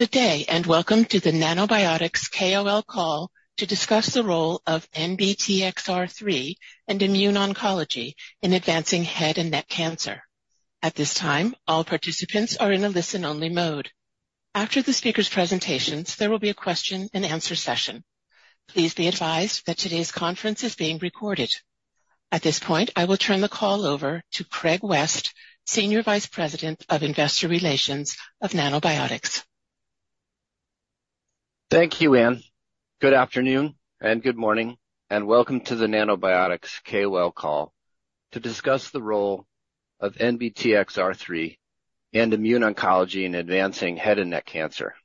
Good day and welcome to the Nanobiotix KOL call to discuss the role of NBTXR3 and immune-oncology in advancing head and neck cancer. At this time, all participants are in a listen only mode. After the speaker's presentations, there will be a question and answer session. Please be advised that today's conference is being recorded. At this point, I will turn the call over to Craig West, Senior Vice President of Investor Relations of Nanobiotix. Thank you Ann. Good afternoon and good morning and welcome to the Nanobiotix KOL call to discuss the role of NBTXR3 and immune oncology in advancing head and neck cancer.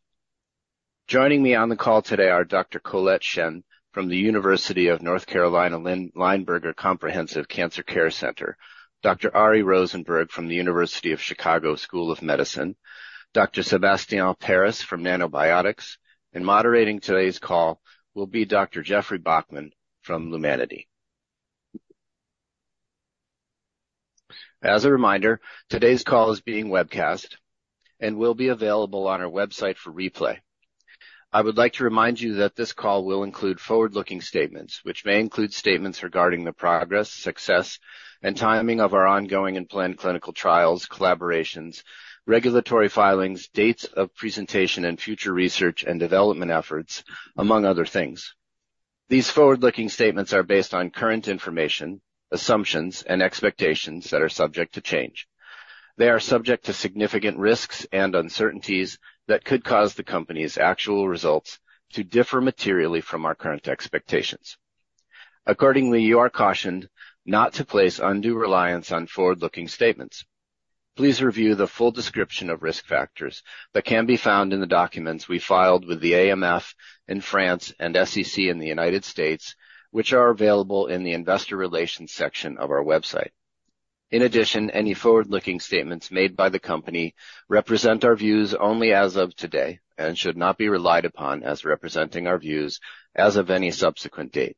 Joining me on the call today are Dr. Colette Shen from the University of North Carolina Lineberger Comprehensive Cancer Center, Dr. Ari Rosenberg from the University of Chicago School of Medicine, Dr. Sébastien Paris from Nanobiotix, and moderating today's call will be Dr. Jeff Baughman from Lumanity. As a reminder, today's call is being webcast and will be available on our website for replay. I would like to remind you that this call will include forward-looking statements which may include statements regarding the progress, success and timing of our ongoing and planned clinical trials, collaborations, regulatory filings, dates of presentation and future research and development efforts, among other things. These forward-looking statements are based on current information, assumptions and expectations that are subject to change. They are subject to significant risks and uncertainties that could cause the Company's actual results to differ materially from our current expectations. Accordingly, you are cautioned not to place undue reliance on forward-looking statements. Please review the full description of risk factors that can be found in the documents we filed with the AMF in France and SEC in the United States, which are available in the Investor Relations section of our website. In addition, any forward-looking statements made by the Company represent our views only as of today and should not be relied upon as representing our views and as of any subsequent date.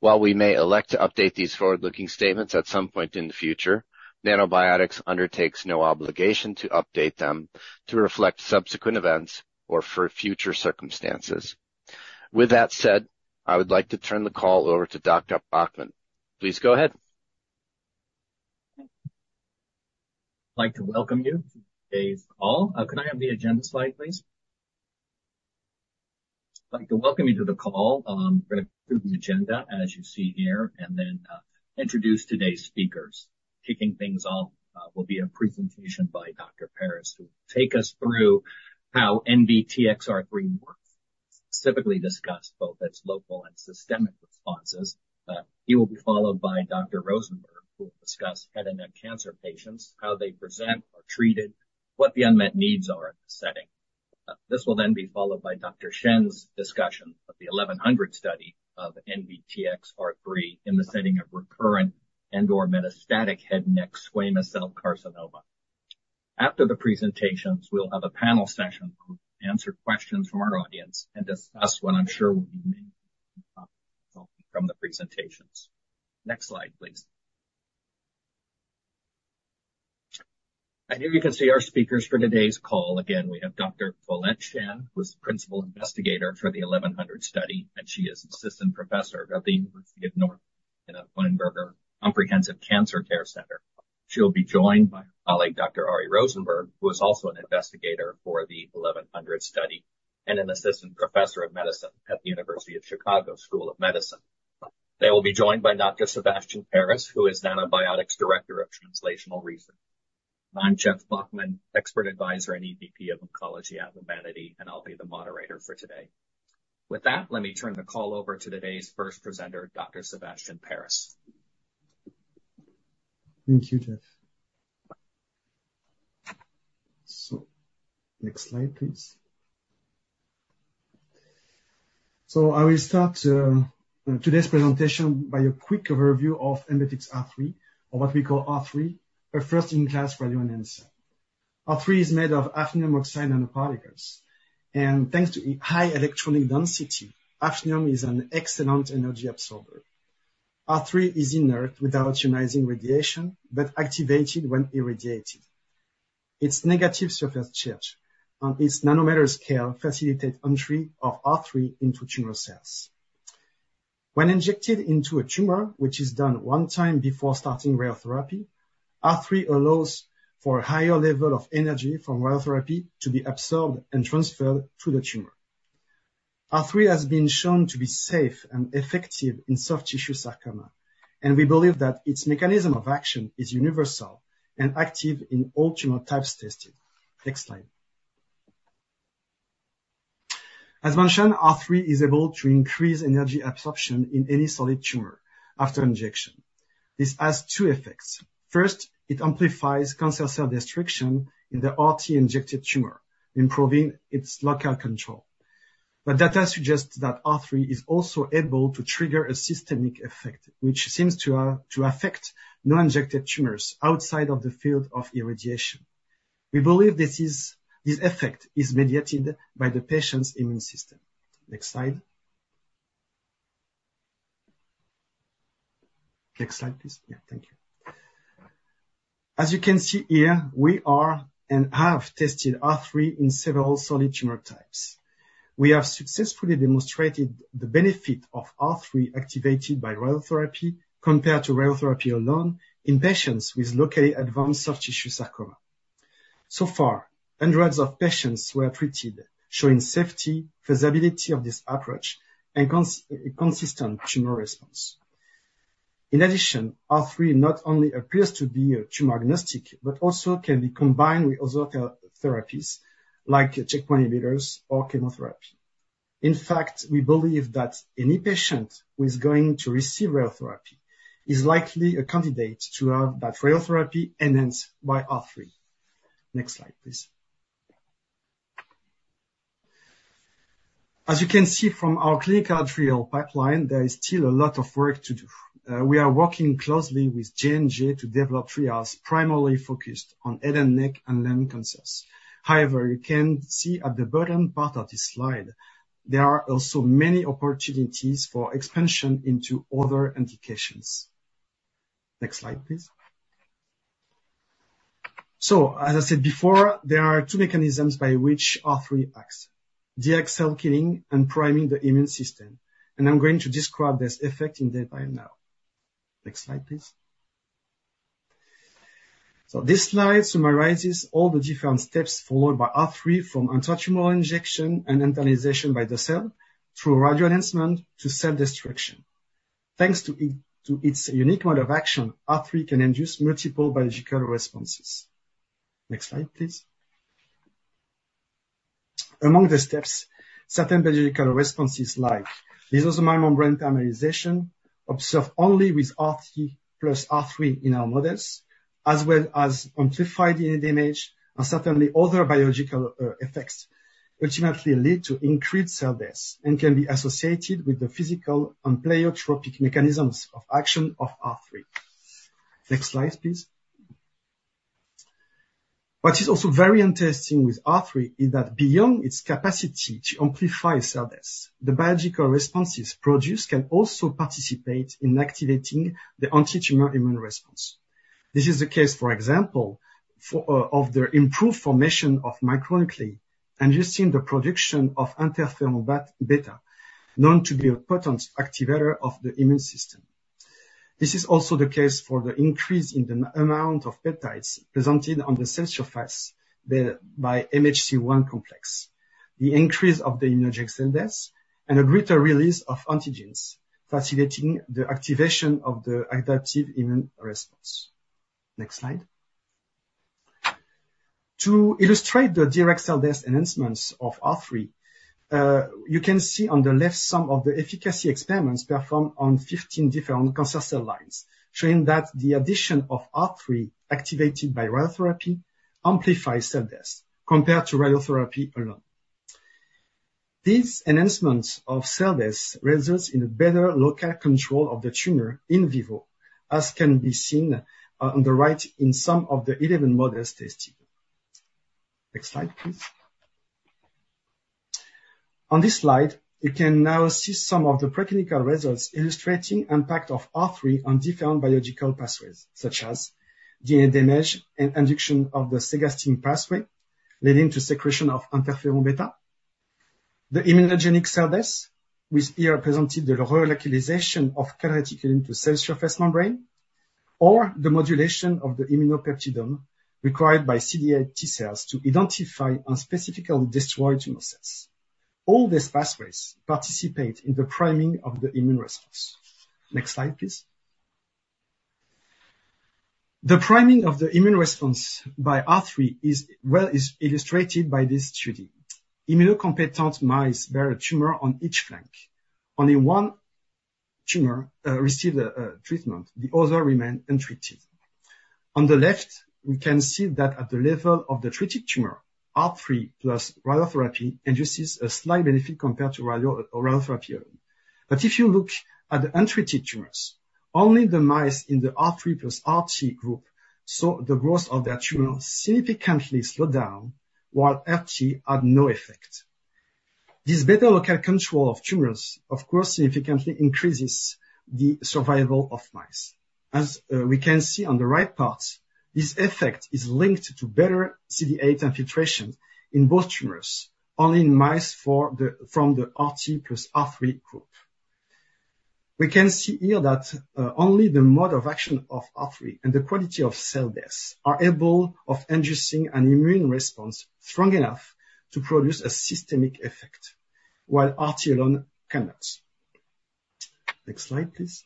While we may elect to update these forward looking statements at some point in the future, Nanobiotix undertakes no obligation to update them to reflect subsequent events or for future circumstances. With that said, I would like to turn the call over to Dr. Baughman. Please go ahead. Like to welcome you to today's call. Can I have the agenda slide please? Like to welcome you to the call. We're going to go through the agenda as you see here and then introduce today's speakers. Kicking things off will be a presentation by Dr. Paris who will take us through how NBTXR3 works, specifically discuss both its local and systemic responses. He will be followed by Dr. Rosenberg who will discuss head and neck cancer patients, how they present are treated, what the unmet needs are in the setting. This will then be followed by Dr. Shen's discussion of the 1100 study of NBTXR3 in the setting of recurrent and or metastatic head and neck squamous cell carcinoma. After the presentations, we'll have a panel session where we answer questions from our audience and discuss what I'm sure will be from the presentations. Next slide please. Here you can see our speakers for today's call. Again we have Dr. Colette Shen who is principal investigator for the Study 1100 and she is assistant professor of the University of North Carolina Lineberger Comprehensive Cancer Center. She'll be joined by her colleague Dr. Ari Rosenberg, who is also an investigator for the Study 1100 and an assistant professor of medicine at the University of Chicago School of Medicine. They will be joined by Dr. Sébastien Paris, who is Nanobiotix Director of Translational Research. I'm Jeff Baughman, expert advisor and EVP of Oncology at Lumanity and I'll be the moderator for today. With that, let me turn the call over to today's first presenter, Dr.Sébastien Paris. Thank you, Jeff. Next slide please. So I will start today's presentation by a quick overview of Nanobiotix NBTXR3 or what we call NBTXR3. A first in class radio enhancer. NBTXR3 is made of hafnium oxide nanoparticles and thanks to high electron density, hafnium is an excellent energy absorber. NBTXR3 is inert without ionizing radiation but activated when irradiated. Its negative surface charge on its nanometer scale facilitate entry of NBTXR3 into tumor cells. When injected into a tumor which is done one time before starting radiotherapy, NBTXR3 allows for a higher level of energy from radiotherapy to be absorbed and transferred to the tumor. NBTXR3 has been shown to be safe and effective in soft tissue sarcoma and we believe that its mechanism of action is universal and active in all tumor types tested. Next slide. As mentioned, R3 is able to increase energy absorption in any solid tumor after injection. This has two effects. First, it amplifies cancer cell destruction in the RT injected tumor improving its local control. But data suggests that R3 is also able to trigger a systemic effect which seems to affect non injected tumors. Outside of the field of irradiation. We believe this effect is mediated by the patient's immune system. Next slide. Next slide please. Yeah. Thank you. As you can see, here we are and have tested R3 in several solid tumor types. We have successfully demonstrated the benefit of R3 activated by radiotherapy compared to radiotherapy alone in patients with locally advanced soft tissue sarcoma. So far, hundreds of patients were treated showing safety, feasibility of this approach and consistent tumor response. In addition, R3 not only appears to be tumor agnostic, but also can be combined with other therapies like checkpoint inhibitors or chemotherapy. In fact, we believe that any patient who is going to receive radiotherapy is likely a candidate to have that radiotherapy enhanced by R3. Next slide please. As you can see from our clinical trial pipeline, there is still a lot of work to do. We are working closely with J&J to develop trials primarily focused on head and neck and lung cancers. However, you can see at the bottom part of this slide there are also many opportunities for expansion into other indications. Next slide please. So, as I said before, there are two mechanisms by which R3 acts direct cell killing and priming the immune system and I'm going to describe this effect in detail now. Next slide please. So this slide summarizes all the different steps followed by R3 from antitumor injection and internalization by the cell through radio enhancement to cell destruction. Thanks to its unique mode of action, R3 can induce multiple biological responses. Next slide please. Among the steps, certain biological responses like lysosomal membrane permeabilization observed only with RT plus R3 in our models, as well as amplified DNA damage and certainly other biological effects, ultimately lead to increased cell deaths and can be associated with the physical and pleiotropic mechanisms of action of R3. Next slide, please. What is also very interesting with R3 is that beyond its capacity to amplify cell death, the biological responses produced can also participate in activating the antitumor immune response. This is the case, for example, of the improved formation of micronuclei and the production of interferon beta, known to be a potent activator of the immune system. This is also the case for the increase in the amount of peptides presented on the cell surface by MHC I complex, the increase of the immunogenic cell deaths and a greater release of antigens facilitating the activation of the adaptive immune response. Next slide. To illustrate the direct cell death enhancements of R3, you can see on the left some of the efficacy experiments performed on 15 different cancer cell lines showing that the addition of R3 activated by radiotherapy amplifies cell death compared to radiotherapy alone. These enhancements of cell deaths results in a better local control of the tumor in vivo as can be seen on the right in some of the 11 models tested. Next slide, please. On this slide you can now see some of the preclinical results illustrating impact of R3 on different biological pathways such as DNA damage and induction of the cGAS-STING pathway leading to secretion of interferon beta, the immunogenic cell death which here represented the externalization of calreticulin to cell surface membrane or the modulation of the immunopeptidome required by CD8 T cells to identify and specifically destroy tumor cells. All these pathways participate in the priming of the immune response. Next slide please. The priming of the immune response by R3 is well illustrated by this study. Immunocompetent mice bear a tumor on each flank. Only one tumor received treatment, the other remain untreated. On the left we can see that at the level of the treated tumor, R3 radiotherapy induces a slight benefit compared to radiotherapy. But if you look at the untreated tumors, only the mice in the R3RT group saw the growth of their tumor significantly slowed down while RT had no effect. This better local control of tumors of course significantly increases the survival of mice. As we can see on the right part. This effect is linked to better CD8 infiltration in both tumors only in mice from the RT plus R3 group. We can see here that only the mode of action of R3 and the quality of cell death are able of inducing an immune response strong enough to produce a systemic effect while RT alone cannot. Next slide please.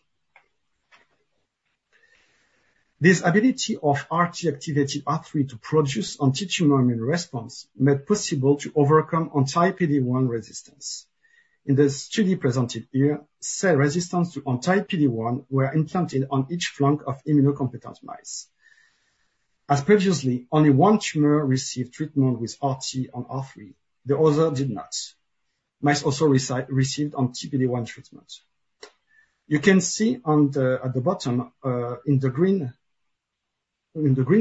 This ability of RT activated R3 to produce anti-tumor immune response made possible to overcome anti-PD-1 resistance. In the study presented here, cells resistant to anti-PD-1 were implanted on each flank of immunocompetent mice. As previously, only one tumor received treatment with RT + R3; the other did not. Mice also received anti-PD-1 treatment. You can see at the bottom in the green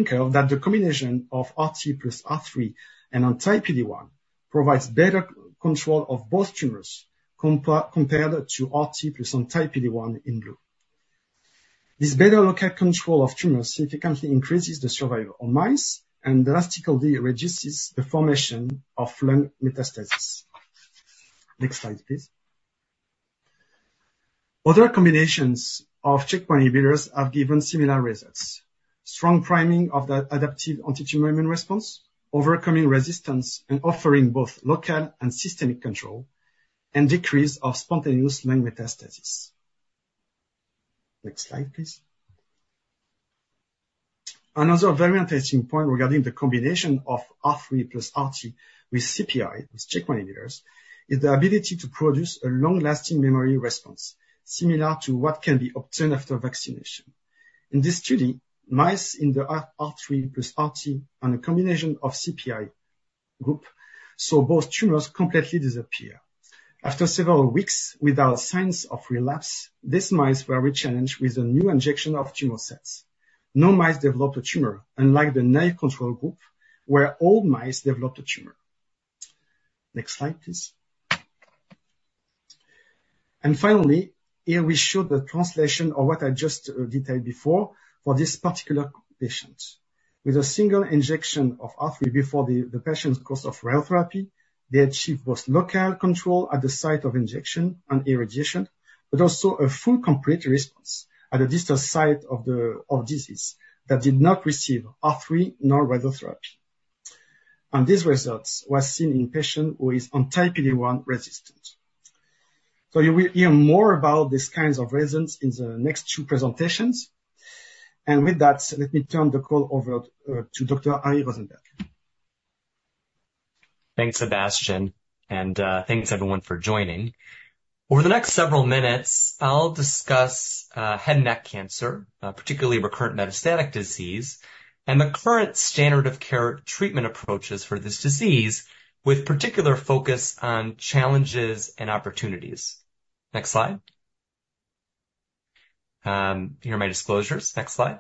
curve that the combination of RT plus R3 and anti-PD-1 provides better control of both tumors compared to RT plus anti-PD-1 in blue. This better local control of tumors significantly increases the survival of mice and elicits ICD, reduces the formation of lung metastasis. Next slide please. Other combinations of checkpoint inhibitors have given similar results. Strong priming of the adaptive antitumor immune response, overcoming resistance and offering both local and systemic control and decrease of spontaneous lung metastasis. Next slide please. Another very interesting point regarding the combination of R3 plus RT with CPI with checkpoint inhibitors is the ability to produce a long-lasting memory response similar to what can be obtained after vaccination. In this study, mice in the R3 RT plus a combination of CPI group saw both tumors completely disappear after several weeks without signs of relapse. These mice were re-challenged with a new injection of tumor cells. No mice developed a tumor unlike the night control group where all mice developed a tumor. Next slide please. And finally here we show the translation of what I just detailed before. For this particular patient with a single injection of NBTXR3 before the patient's course of radiotherapy, they achieved both local control at the site of injection and irradiation, but also a full complete response at the distal site of disease that that did not receive NBTXR3 radiotherapy. These results were seen in patient who is anti-PD-1 resistant. You will hear more about these kinds of reasons in the next two presentations. And with that let me turn the call over to Dr. Ari Rosenberg. Thanks Sébastien and thanks everyone for joining. Over the next several minutes I'll discuss head and neck cancer, particularly recurrent metastatic disease and the current standard of care treatment approaches for this disease with particular focus on challenges and opportunities. Next slide. Here are my disclosures. Next slide.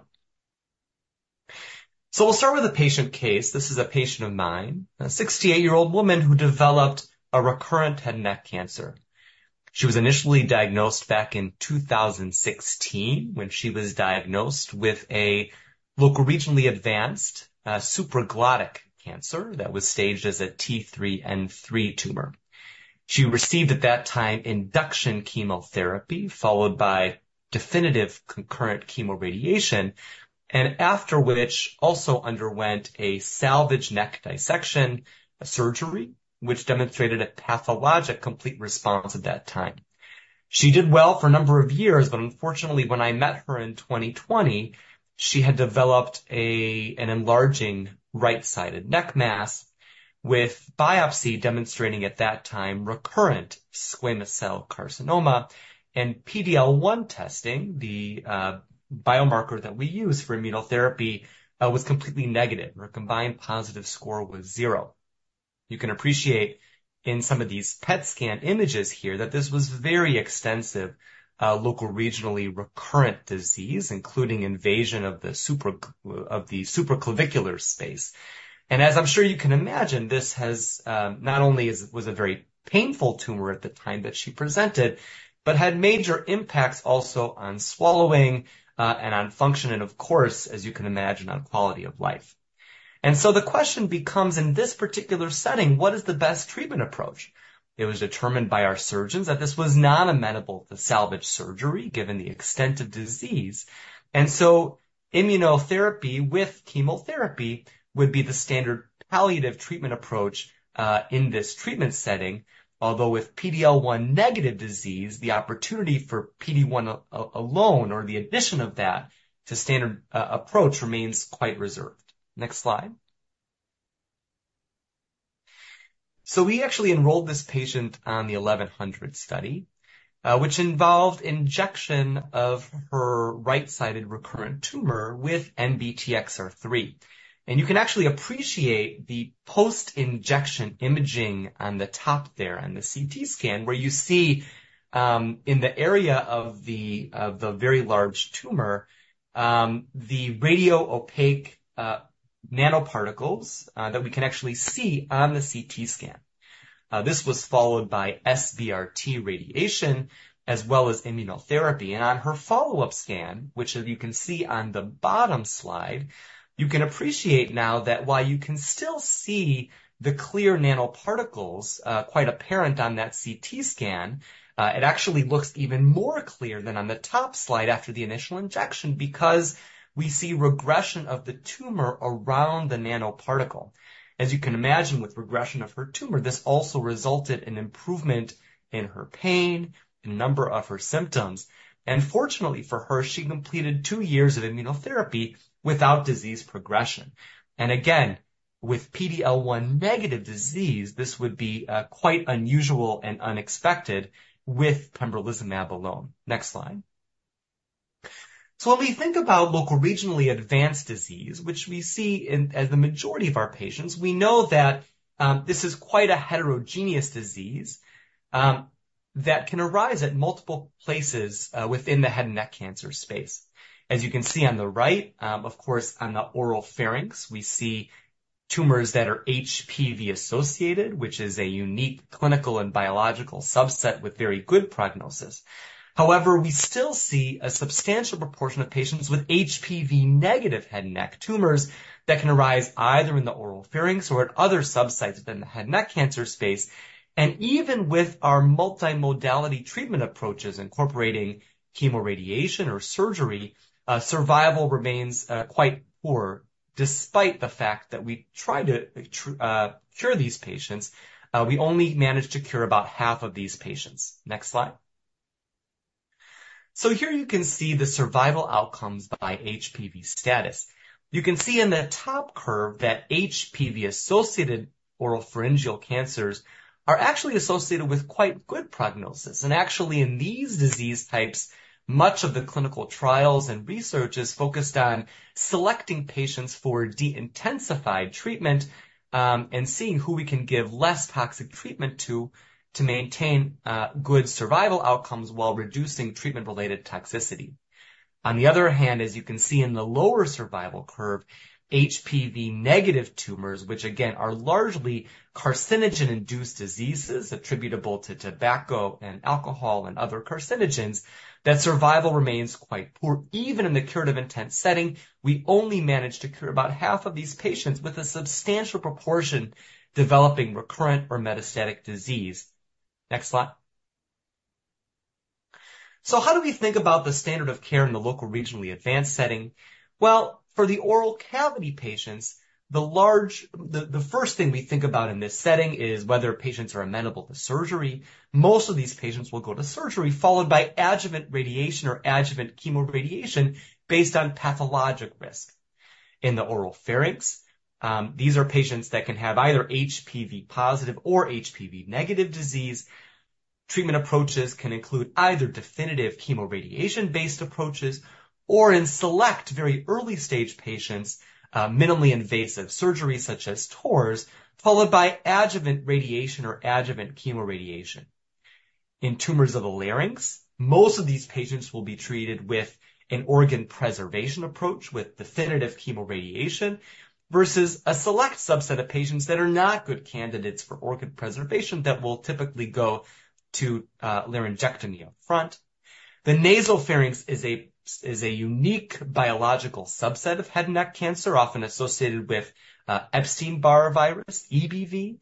So we'll start with a patient case. This is a patient of mine, a 68-year-old woman who developed a recurrent head and neck cancer. She was initially diagnosed back in 2016 when she was diagnosed with a local regionally advanced supraglottic cancer that was staged as a T3N3 tumor. She received at that time induction chemotherapy followed by definitive concurrent chemoradiation and after which also underwent a salvage neck dissection surgery which demonstrated a pathologic complete response. At that time she did well for a number of years, but unfortunately when I met her in 2020 she had developed an enlarging right-sided neck mass with biopsy demonstrating at that time recurrent squamous cell carcinoma and PD-L1 testing. The biomarker that we use for immunotherapy was completely negative. Her Combined Positive Score was zero. You can appreciate in some of these PET scan images here that this was very extensive locally regionally recurrent disease including invasion of the supraclavicular space. And as I'm sure you can imagine, this not only was a very painful tumor at the time that she presented, but had major impacts also on swallowing and on function and of course, as you can imagine, on quality of life. The question becomes, in this particular setting, what is the best treatment approach? It was determined by our surgeons that this was not amenable to salvage surgery given the extent of disease. So immunotherapy with chemotherapy would be the standard palliative treatment approach in this treatment setting. Although with PD-L1 negative disease, the opportunity for PD-1 alone or the addition of that to standard approach remains quite reserved. Next slide. So we actually enrolled this patient on the Study 1100 which involved injection of her right-sided recurrent tumor with NBTXR3. And you can actually appreciate the post-injection imaging on the top there on the CT scan where you see in the area of the very large tumor the radiopaque nanoparticles that we can actually see on the CT scan. This was followed by SBRT radiation as well as immunotherapy. On her follow-up scan which you can see on the bottom slide, you can appreciate now that while you can still see the clear nanoparticles quite apparent on that CT scan, it actually looks even more clear than on the top slide after the initial injection because we see regression of the tumor around the nanoparticle. As you can imagine, with regression of her tumor, this also resulted in improvement in her pain, a number of her symptoms, and fortunately for her, she completed two years of immunotherapy without disease progression. Again with PD-L1 negative disease, this would be quite unusual and unexpected. With pembrolizumab alone. Next slide. So when we think about locally regionally advanced disease, which we see as the majority of our patients, we know that this is quite a heterogeneous disease that can arise at multiple places within the head and neck cancer space. As you can see on the right, of course on the oropharynx we see tumors that are HPV associated, which is a unique clinical and biological subset with very good prognosis. However, we still see a substantial proportion of patients with HPV negative head and neck tumors that can arise either in the oropharynx or at other subsites within the head and neck cancer space. And even with our multimodality treatment approaches incorporating chemoradiation or surgery, survival remains quite poor. Despite the fact that we tried to cure these patients, we only managed to cure about half of these patients. Next slide. So here you can see the survival outcomes by HPV status. You can see in the top curve that HPV associated oropharyngeal cancers are actually associated with quite good prognosis. And actually in these disease types, much of the clinical trials and research is focused on selecting patients for de-intensified treatment and seeing who we can give less toxic treatment to to maintain good survival outcomes while reducing treatment-related toxicity. On the other hand, as you can see in the lower survival curve HPV-negative tumors which again are largely carcinogen-induced diseases attributable to tobacco and alcohol and other carcinogens, that survival remains quite poor even in the curative-intent setting. We only manage to cure about half of these patients with a substantial proportion developing recurrent or metastatic disease. Next slide. So how do we think about the standard of care in the local regionally advanced setting? Well for the oral cavity patients the first thing we think about in this setting is whether patients are amenable to surgery. Most of these patients will go to surgery followed by adjuvant radiation or adjuvant chemoradiation based on pathologic risk in the oral pharynx. These are patients that can have either HPV positive or HPV negative disease. Treatment approaches can include either definitive chemoradiation based approaches or in select very early stage patients, minimally invasive surgeries such as TORS followed by adjuvant radiation or adjuvant chemoradiation in tumors of a larynx. Most of these patients will be treated with an organ preservation approach with definitive chemoradiation versus a select subset of patients that are not good candidates for organ preservation that will typically go to laryngectomy. Up front, the nasopharynx is a unique biological subset of head and neck cancer often associated with Epstein-Barr virus (EBV).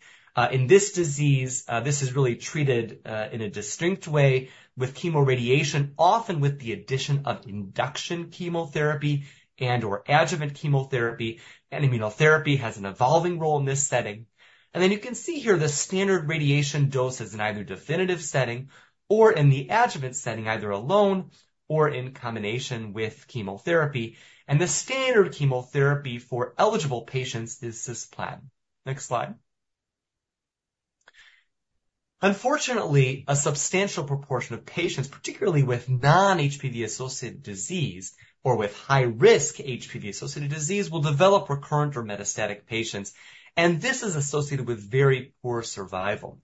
In this disease this is really treated in a distinct way with chemoradiation, often with the addition of induction chemotherapy and or adjuvant chemotherapy and immunotherapy has an evolving role in this setting. And then you can see here the standard radiation doses in either definitive setting or in the adjuvant setting, either alone or in combination with chemotherapy and the standard chemotherapy for eligible patients is cisplatin. Next slide. Unfortunately a substantial proportion of patients, particularly with non-HPV associated disease or with high-risk HPV associated disease, will develop recurrent or metastatic disease and this is associated with very poor survival.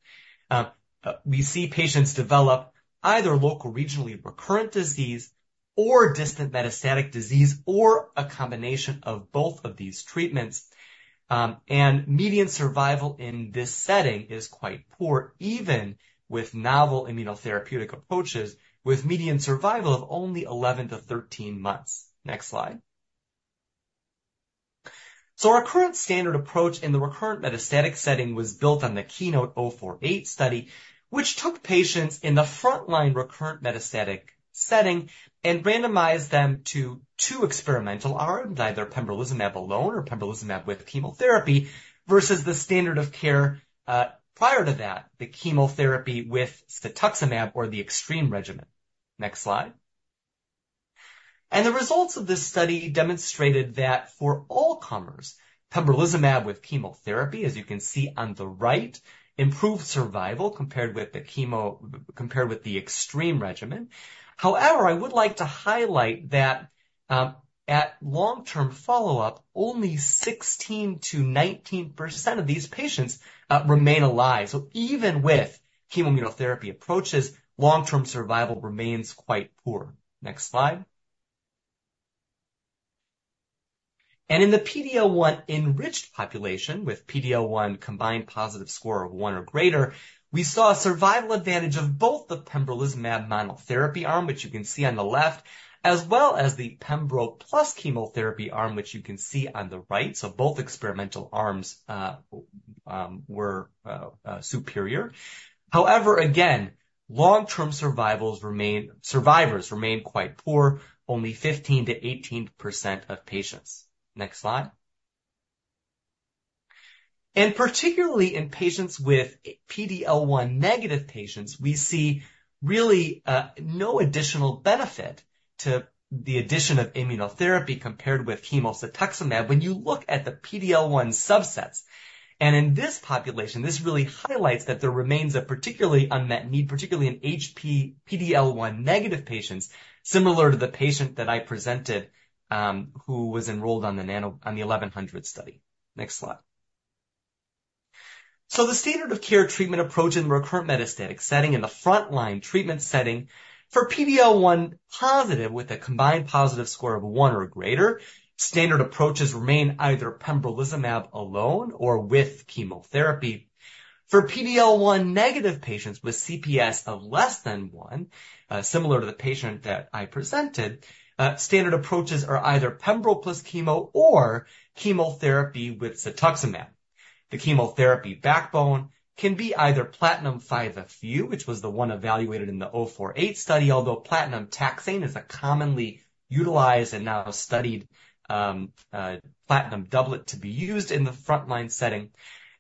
We see patients develop either locally recurrent disease or distant metastatic disease or a combination of both of these treatments and median survival in this setting is quite poor even with novel immunotherapeutic approaches with median survival of only 11-13 months. Next slide. So our current standard approach in the recurrent metastatic setting was built on the KEYNOTE-048 study which took patients in the frontline recurrent metastatic setting and randomized them to two experimental arms either pembrolizumab alone or pembrolizumab with chemotherapy versus the standard of care prior to that, the chemotherapy with cetuximab or the EXTREME regimen. Next slide. The results of this study demonstrated that for all comers pembrolizumab with chemotherapy as you can see on the right, improved survival compared with the chemo compared with the EXTREME regimen. However, I would like to highlight that at long-term follow-up only 16%-19% of these patients remain alive. Even with chemo immunotherapy approaches, long-term survival remains quite poor. Next slide. In the PD-L1 enriched population with PD-L1 combined positive score of 1 or greater, we saw survival advantage of both the pembrolizumab monotherapy arm which you can see on the left and as well as the Pembro plus chemotherapy arm which you can see on the right. So both experimental arms were superior. However again long-term survivors remain quite poor only 15%-18% of patients. Next slide. Particularly in patients with PD-L1 negative patients, we see really no additional benefit to the addition of immunotherapy compared with cetuximab when you look at the PD-L1 subsets and in this population. This really highlights that there remains a particularly unmet need, particularly in HPV PD-L1 negative patients similar to the patient that I presented who was enrolled on the Study 1100. Next slide. So the standard of care treatment approach in the recurrent metastatic setting in the frontline treatment setting for PD-L1 positive with a combined positive score of one or greater standard approaches remain either pembrolizumab alone or with chemotherapy for PD-L1 negative patients with CPS of less than one, similar to the patient that I presented, standard approaches are either pembro plus chemo or chemotherapy with cetuximab. The chemotherapy backbone can be either platinum 5-FU which was the one evaluated in the 048 study. Although platinum-taxane is a commonly utilized and now studied platinum doublet to be used in the frontline setting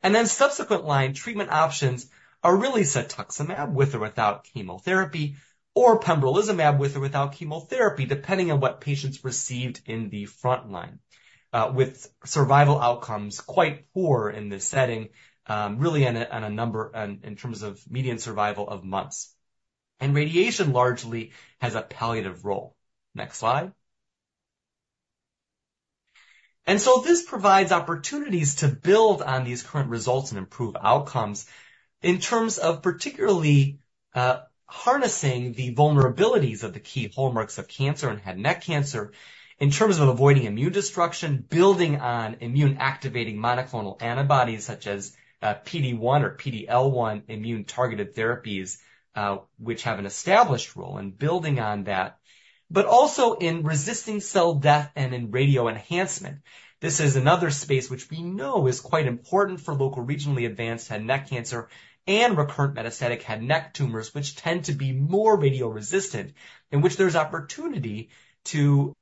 and then subsequent line treatment options are really cetuximab with or without chemotherapy or pembrolizumab with or without chemotherapy depending on what patients received in the frontline with survival outcomes quite poor in this setting really in terms of median survival of months and radiation largely has a palliative role. Next slide and so this provides opportunities to build on these current results and improve outcomes in terms of particularly harnessing the vulnerabilities of the key hallmarks of cancer and head and neck cancer in terms of avoiding immune destruction, building on immune activating monoclonal antibodies such as PD-1 or PD-L1 immune targeted therapies which have an established role in building on that, but also in resisting cell death and in radio enhancement. This is another space which we know is quite important for locoregionally advanced head and neck cancer and recurrent metastatic head and neck tumors which tend to be more radioresistant in which there's opportunity to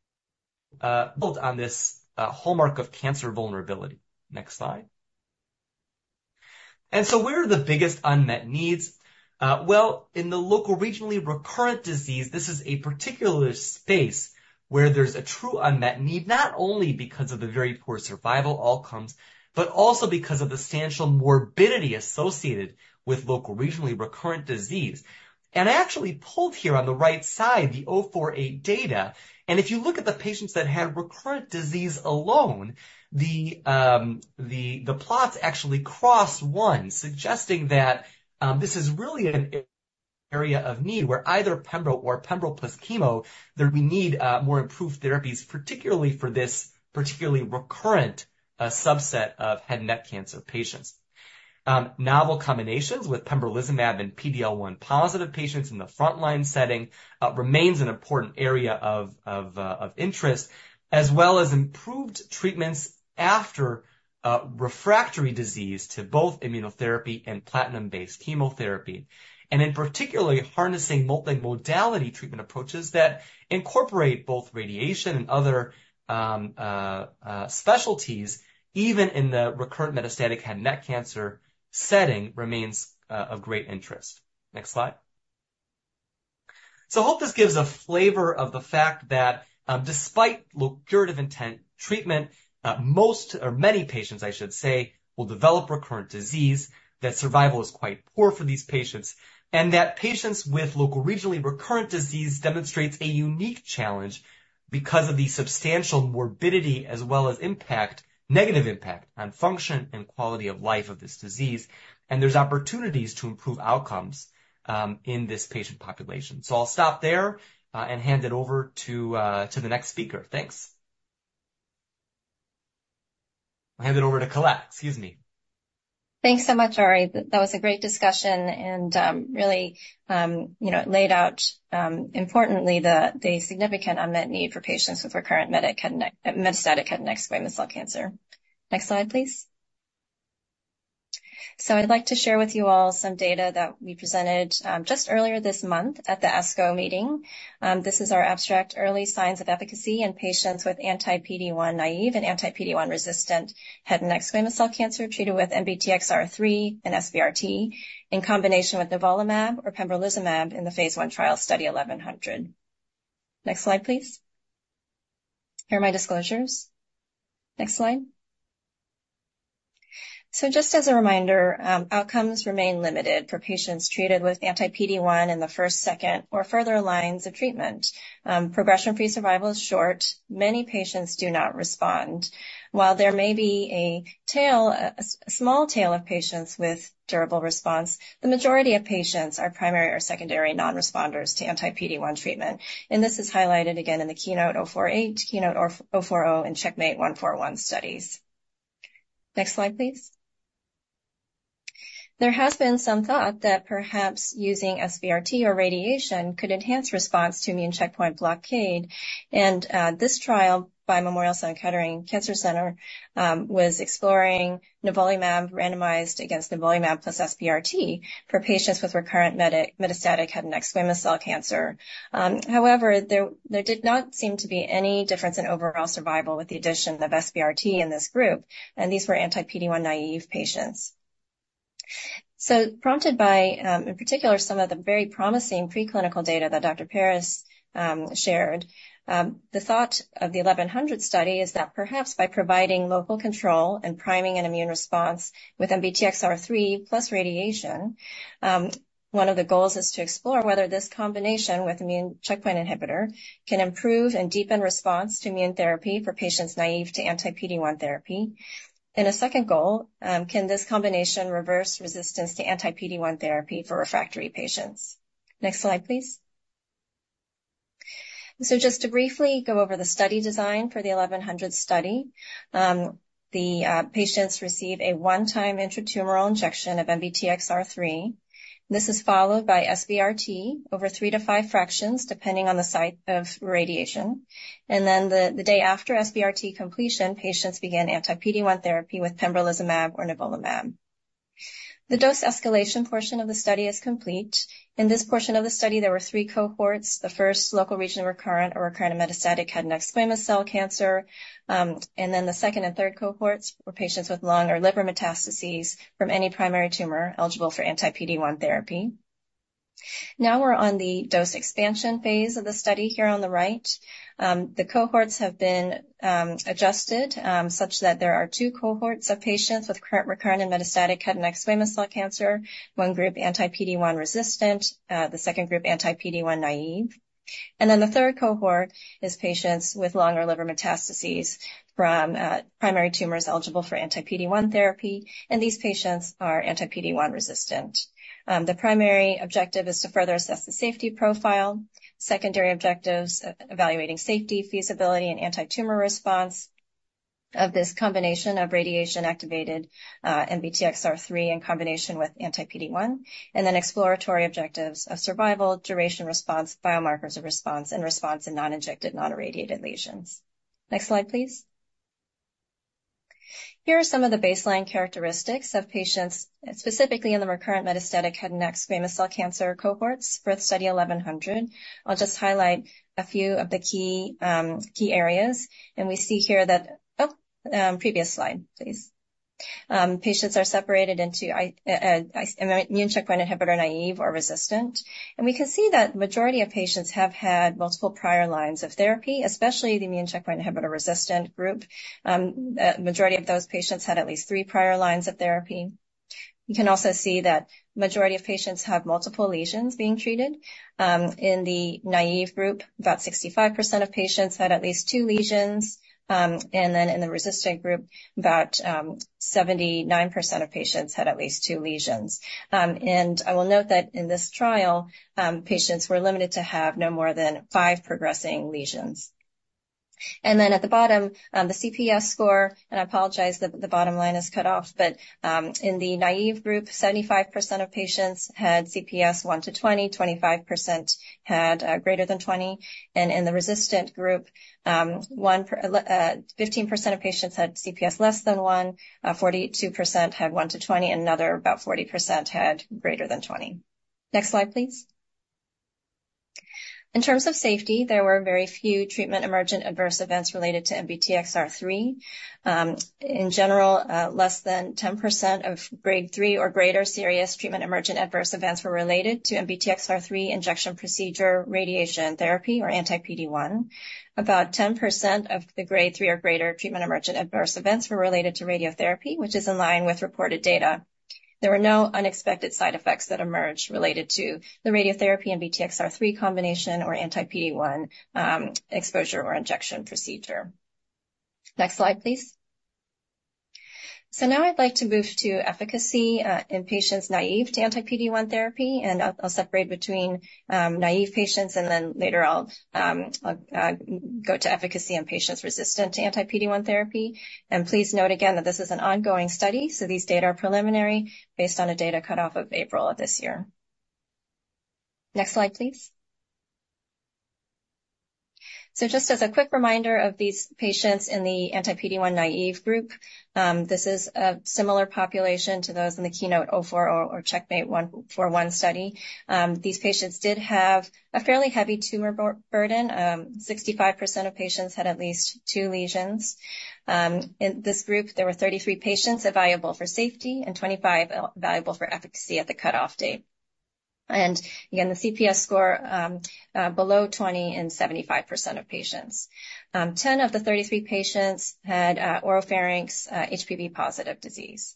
build on this hallmark of cancer vulnerability. Next slide. Where are the biggest unmet needs? Well, in the locoregionally recurrent disease, this is a particular space where there's a true unmet need, not only because of the very poor survival outcomes, but also because of the central morbidity associated with locoregionally recurrent disease. Actually pulled here on the right side, the 048 data and if you look at the patients that had recurrent disease alone, the plots actually cross one, suggesting that this is really an area of need where either pembro or Pembro plus chemo we need more improved therapies, particularly for this particularly recurrent subset of head and neck cancer patients. Novel combinations with pembrolizumab and PD-L1 positive patients in the frontline setting remains an important area of interest as well as improved treatments after refractory disease to both immunotherapy and platinum based chemotherapy and in particular harnessing multimodality treatment approaches that incorporate both radiation and other specialties even in the recurrent metastatic head and neck cancer setting remains of great interest. Next slide. So I hope this gives a flavor of the fact that despite curative intent treatment, most or many patients, I should say, will develop recurrent disease. That survival is quite poor for these patients and that patients with locoregionally recurrent disease demonstrates a unique challenge because of the substantial morbidity as well as impact, negative impact on function and quality of life of this disease and there's opportunities to improve outcomes in this patient population. So I'll stop there and hand it over to the next speaker. Thanks. I'll hand it over to Colette. Excuse me. Thanks so much, Ari. That was a great discussion and really, you know, it laid out importantly the significant unmet need for patients with recurrent metastatic head and neck squamous cell cancer. Next slide please. I'd like to share with you all some data that we presented just earlier this month at the ESMO meeting. This is our abstract. Early signs of efficacy in patients with anti-PD-1 naïve and anti-PD-1 resistant head and neck squamous cell cancer treated with NBTXR3 and SBRT in combination with nivolumab or pembrolizumab in the phase 1 trial Study 1100. Next slide please. Here are my disclosures. Next slide. Just as a reminder, outcomes remain limited for patients treated with anti-PD-1 in the first, second or further lines of treatment. Progression free survival is short. Many patients do not respond. While there may be a tail, a small tail of patients with durable response, the majority of patients are primary or secondary non-responders to anti-PD-1 treatment and this is highlighted again in the KEYNOTE-048 and CheckMate 141 studies. Next slide please. There has been some thought that perhaps using SBRT or radiation could enhance response to immune checkpoint blockade and this trial by Memorial Sloan Kettering Cancer Center was exploring Nivolumab randomized against Nivolumab plus SBRT for patients with recurrent metastatic head and neck squamous cell carcinoma. However, there did not seem to be any difference in overall survival with the addition of SBRT in this group and these were anti-PD-1 naive patients, so prompted by in particular some of the very promising preclinical data that Dr. Paris shared. The thought of Study 1100 is that perhaps by providing local control and priming and immune response with NBTXR3 radiation, one of the goals is to explore whether this combination with immune checkpoint inhibitor can improve and deepen response to immune therapy for patients naive to anti-PD-1 therapy. In a second goal, can this combination reverse resistance to anti-PD-1 therapy for refractory patients? Next slide please. So just to briefly go over the study design for Study 1100, the patients receive a one-time intratumoral injection of NBTXR3. This is followed by SBRT over 3-5 fractions depending on the site of radiation and then the day after SBRT completion, patients begin anti-PD-1 therapy with pembrolizumab or nivolumab. The dose escalation portion of the study is complete. In this portion of the study there were three cohorts. The first locoregional recurrent or recurrent metastatic head and neck squamous cell carcinoma, and then the second and third cohorts were patients with lung or liver metastases from any primary tumor eligible for anti-PD-1 therapy. Now we're on the dose expansion phase of the study. Here on the right, the cohorts have been adjusted such that there are two cohorts of patients with locally recurrent and metastatic head and neck squamous cell carcinoma, one group anti-PD-1 resistant, the second group anti-PD-1 naive, and then the third cohort is patients with lung or liver metastases from primary tumors eligible for anti-PD-1 therapy, and these patients are anti-PD-1 resistant. The primary objective is to further assess the safety profile. Secondary objectives evaluating safety, feasibility and antitumor response of this combination of radiation activated NBTXR3 in combination with anti-PD-1 and then exploratory objectives of survival, duration, response, biomarkers of response and response in non injected non irradiated lesions. Next slide please. Here are some of the baseline characteristics of patients specifically in the recurrent metastatic head and neck squamous cell cancer cohorts. In Study 1100 I'll just highlight a few of the key areas and we see here that oh previous slide please. Patients are separated into immune checkpoint inhibitor naive or resistant and we can see that the majority patients have had multiple prior lines of therapy, especially the immune checkpoint inhibitor resistant group. Majority of those patients had at least three prior lines of therapy. You can also see that majority of patients have multiple lesions being treated. In the naive group about 65% of patients had at least 2 lesions and then in the resistant group about 79% of patients had at least 2 lesions. I will note that in this trial patients were limited to have no more than 5 progressing lesions and then at the bottom the CPS score and I apologize that the bottom line is cut off but in the naive group 75% of patients had CPS 1-20, 25% had greater than 20 and in the resistant group 15% of patients had CPS less than 1, 42% had 1-20, another about 40% had greater than 20. Next slide please. In terms of safety, there were very few treatment emergent adverse events related to NBTXR3. In general, less than 10% of grade 3 or greater serious treatment emergent adverse events were related to NBTXR3 injection procedure, radiation therapy or anti-PD-1. About 10% of the grade 3 or greater treatment emergent adverse events were related to radiotherapy, which is in line with reported data. There were no unexpected side effects that emerged related to the radiotherapy and NBTXR3 combination or anti-PD-1 exposure or injection procedure. Next slide please. So now I'd like to move to efficacy in patients naive to anti-PD-1 therapy and I'll separate between naive patients and then later I'll go to efficacy in patients resistant to anti-PD-1 therapy and please note again that this is an ongoing study, so these data are preliminary based on a data cutoff of April of this year. Next slide, please. So, just as a quick reminder of these patients in the anti-PD-1 naive group, this is a similar population to those in the KEYNOTE-040 or CheckMate 141 study. These patients did have a fairly heavy tumor burden. 65% of patients had at least two lesions. In this group, there were 33 patients available for safety and 25 evaluable for efficacy at the cutoff date. And again, the CPS score below 20 in 75% of patients. 10 of the 33 patients had oropharynx HPV-positive disease.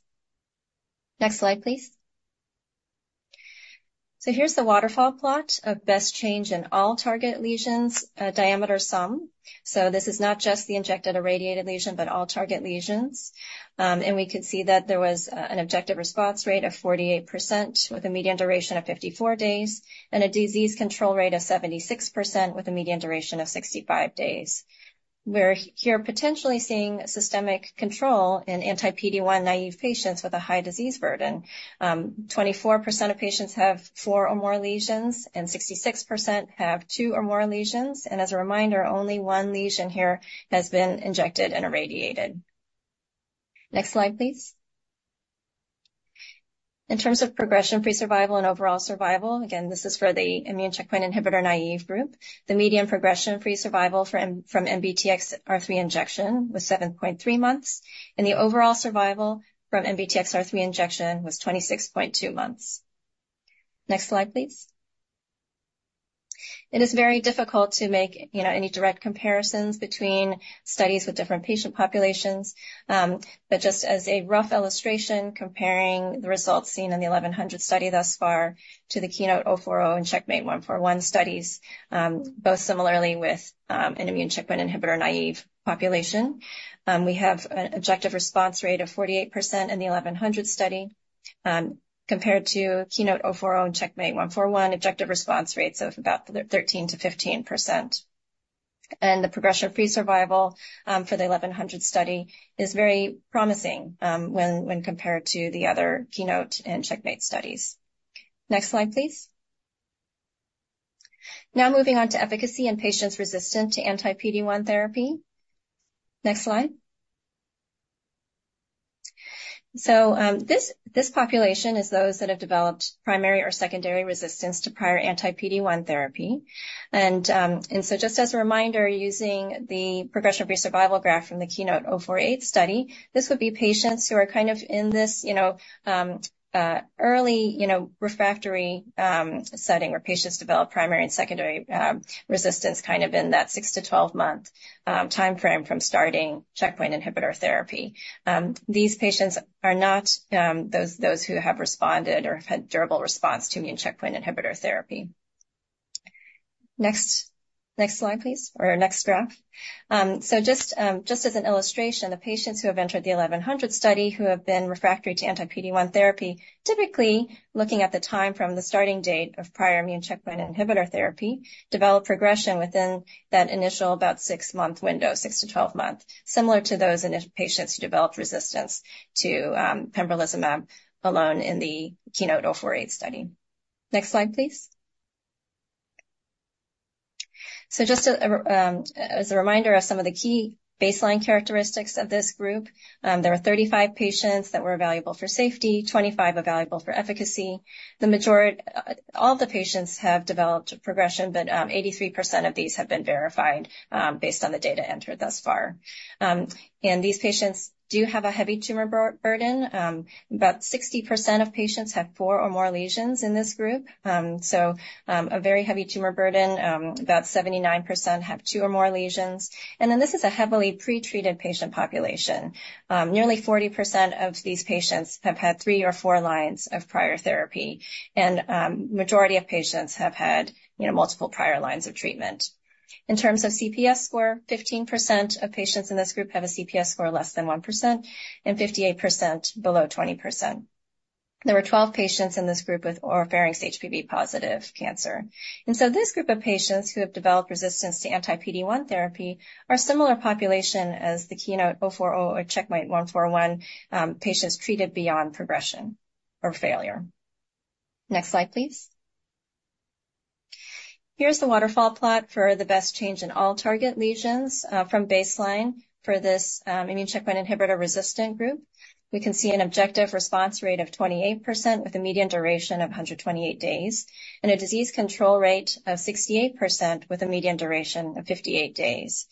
Next slide, please. So here's the waterfall plot of best change in all target lesions diameter sum. So this is not just the injected irradiated lesion, but all target lesions. We could see that there was an objective response rate of 48% with a median duration of 54 days and a disease control rate of 76% with a median duration of 65 days. We're here potentially seeing systemic control in anti-PD-1 naive patients with a high disease burden. 24% of patients have 4 or more lesions and 66% have 2 or more lesions. And as a reminder, only one lesion here has been injected and irradiated. Next slide, please. In terms of progression free survival and overall survival, again, this is for the immune checkpoint inhibitor naive group. The median progression free survival from NBTXR3 injection was 7.3 months and the overall survival from NBTXR3 injection was 26.2 months. Next slide, please. It is very difficult to make any direct comparisons between studies with different patient populations. But just as a rough illustration comparing the results seen in the Study 1100 thus far to the KEYNOTE-040 and CheckMate 141 studies, both similarly with an immune checkpoint inhibitor-naïve population. We have an objective response rate of 48% in the Study 1100 compared to KEYNOTE-040 and CheckMate 141. Objective response rates of about 13%-15%. The progression-free survival for the Study 1100 is very promising when compared to the other KEYNOTE and CheckMate studies. Next slide, please. Now moving on to efficacy in patients resistant to anti-PD-1 therapy. Next slide. This population is those that have developed primary or secondary resistance to prior anti-PD-1 therapy. So just as a reminder, using the progression-free survival graph from the KEYNOTE-048 study, this would be patients who are kind of in this, you know, early, you know, refractory setting where patients develop primary and secondary resistance kind of in that 6-12-month timeframe from starting checkpoint inhibitor therapy. These patients are not those who have responded or had durable response to immune checkpoint inhibitor therapy. Next slide please. Or next graph. So just as an illustration, the patients who have entered the Study 1100 who have been refractory to anti-PD-1 therapy, typically looking at the time from the starting date of prior immune checkpoint inhibitor therapy, develop progression within that initial about 6-month window 6- to 12-month similar to those initial patients who developed resistance to pembrolizumab alone in the KEYNOTE-048 study. Next slide please. So just as a reminder of some of the key baseline characteristics of this group, there are 35 patients that were valuable for safety. 25 are valuable for efficacy. The majority all of the patients have developed progression, but 83% of these have been verified based on the data entered thus far. These patients do have a heavy tumor burden. About 60% of patients have 4 or more lesions in this group, so a very heavy tumor burden. About 79% have 2 or more lesions. Then this is a heavily pretreated patient population. Nearly 40% of these patients have had 3 or 4 lines of prior therapy and majority of patients have had multiple prior lines of treatment. In terms of CPS score, 15% of patients in this group have a CPS score less than 1% and 58% below 20%. There were 12 patients in this group with oropharynx HPV-positive cancer and so this group of patients who have developed resistance to anti-PD-1 therapy are similar population as the KEYNOTE-040 or CheckMate 141 patients treated beyond progression or failure. Next slide please. Here's the waterfall plot for the best change in all target lesions from baseline. For this immune checkpoint inhibitor-resistant group we can see an objective response rate of 28% with a median duration of 128 days and a disease control rate of 68% with a median duration of 58 days.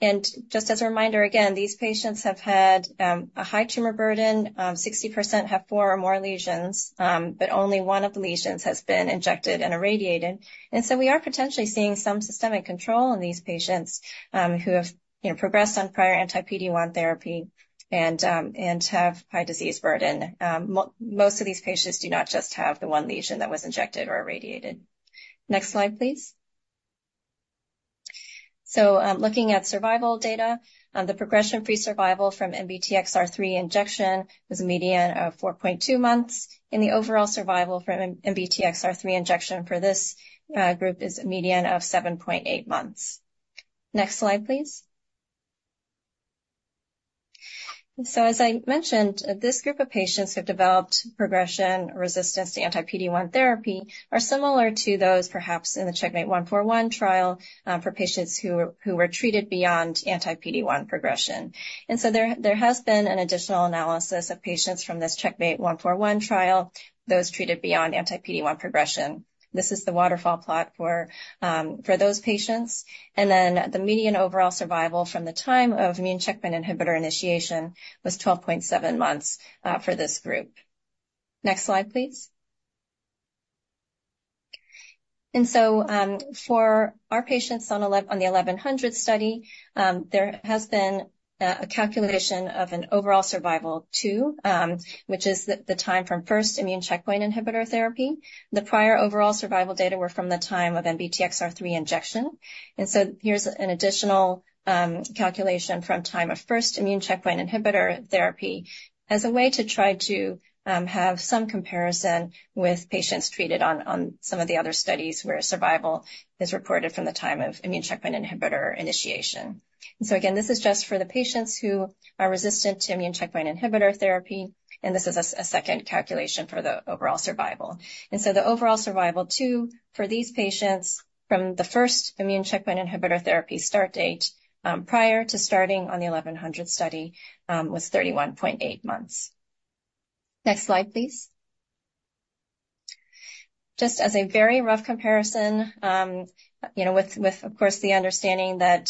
And just as a reminder again these patients have had a high tumor burden, 60% have four or more lesions but only one of the lesions has been injected and irradiated and so we are potentially seeing some systemic control in these patients who have progressed on prior anti-PD-1 therapy and have high disease burden. Most of these patients do not just have the one lesion that was injected or irradiated. Next slide please. So looking at survival data, the progression-free survival from NBTXR3 injection was a median of 4.2 months. And the overall survival from NBTXR3 injection for this group is a median of 7.8 months. Next slide, please. So, as I mentioned, this group of patients who have developed progression resistance to anti-PD-1 therapy are similar to those perhaps in the CheckMate 141 trial for patients who were treated beyond anti-PD-1 progression. There has been an additional analysis of patients from this CheckMate 141 trial, those treated beyond anti-PD-1 progression. This is the waterfall plot for those patients. And then the median overall survival from the time of immune checkpoint inhibitor initiation was 12.7 months for this group. Next slide, please. For our patients on the Study 1100, there has been a calculation of an overall survival 2 which is the time from first immune checkpoint inhibitor therapy. The prior prior overall survival data were from the time of NBTXR3 injection. And so here's an additional calculation from time of first immune checkpoint inhibitor therapy as a way to try to have some comparison with patients treated on some of the other studies where survival is reported from the time of immune checkpoint inhibitor initiation. So again, this is just for the patients who are resistant to immune checkpoint inhibitor therapy. This is a second calculation for the overall survival. The overall survival 2 for these patients from the first immune checkpoint inhibitor therapy start date prior to starting on the Study 1100 was 31.8 months. Next slide, please. Just as a very rough comparison, you know, with, of course, the understanding that,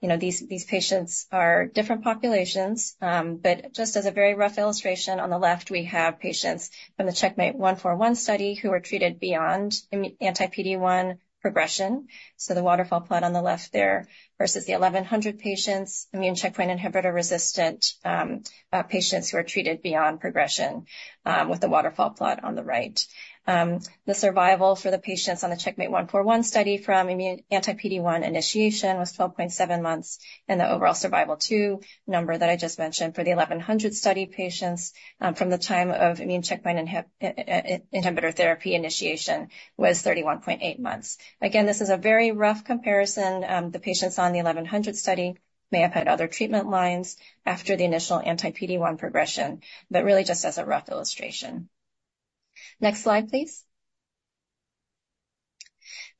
you know, these patients are different populations. But just as a very rough illustration on the left we have patients from the CheckMate 141 study who were treated beyond anti-PD-1 progression. The waterfall plot on the left there versus the 1100 patients, immune checkpoint inhibitor resistant patients who are treated beyond progression. With the waterfall plot on the right, the survival for the patients on the CheckMate 141 study from anti-PD-1 initiation was 12.7 months. The overall survival OS number that I just mentioned for the Study 1100 patients from the time of immune checkpoint inhibitor therapy initiation was 31.8 months. Again, this is a very rough comparison. The patients on the Study 1100 may have had other treatment lines after the initial anti-PD-1 progression, but really, just as a rough illustration. Next slide please.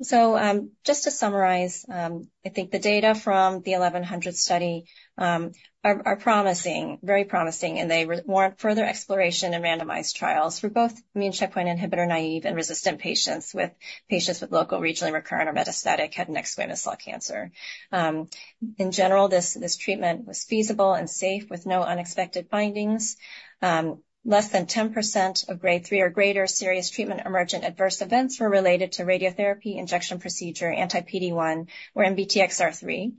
So, just to summarize, I think the data from the Study 1100 are promising, very promising, and they warrant further exploration and randomized trials for both immune checkpoint inhibitor naive and resistant patients with local, regionally recurrent or metastatic head and neck squamous cell cancer. In general, this treatment was feasible and safe with no unexpected findings. Less than 10% of grade 3 or greater serious treatment emergent adverse events were related to radiotherapy injection procedure. Anti-PD-1 with NBTXR3.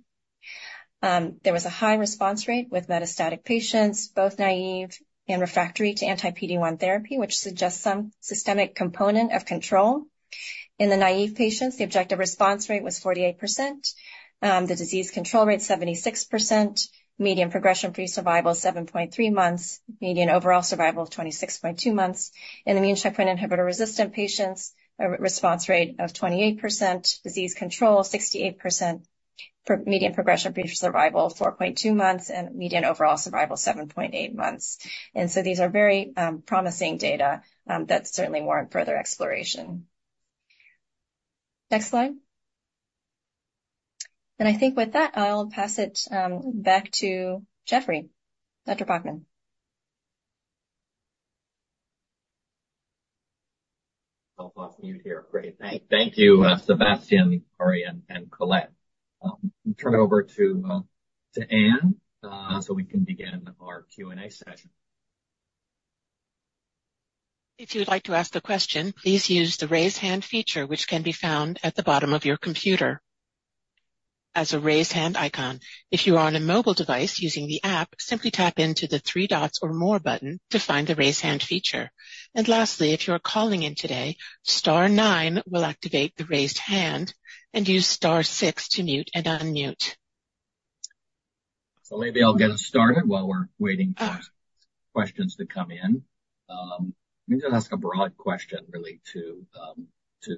There was a high response rate with metastatic patients, both naive and refractory to anti-PD-1 therapy, which suggests some systemic component of control. In the naive patients, the objective response rate was 48%, the disease control rate 76%, median progression-free survival 7.3 months, median overall survival 26.2 months. In the immune checkpoint inhibitor resistant patients, a response rate of 28%, disease control 68%, median progression-free survival 4.2 months and median overall survival 7.8 months. And so these are very promising data that certainly warrant further exploration. Next slide. And I think with that I'll pass it back to Jeff. Dr. Baughman. Mute here. Great. Thank. Thank you. Sébastien, Corey and Colette, turn it over to Ann so we can begin our Q and A session. If you would like to ask a question, please use the raise hand feature, which can be found at the bottom of your computer as a raise hand icon. If you are on a mobile device using the app, simply tap into the three dots or more button to find the raise hand feature. And lastly, if you're calling in today, Star 9 will activate the raised hand and use Star 6 to mute and unmute. So maybe I'll get us started. While we're waiting for questions to come in, let me just ask a broad question really to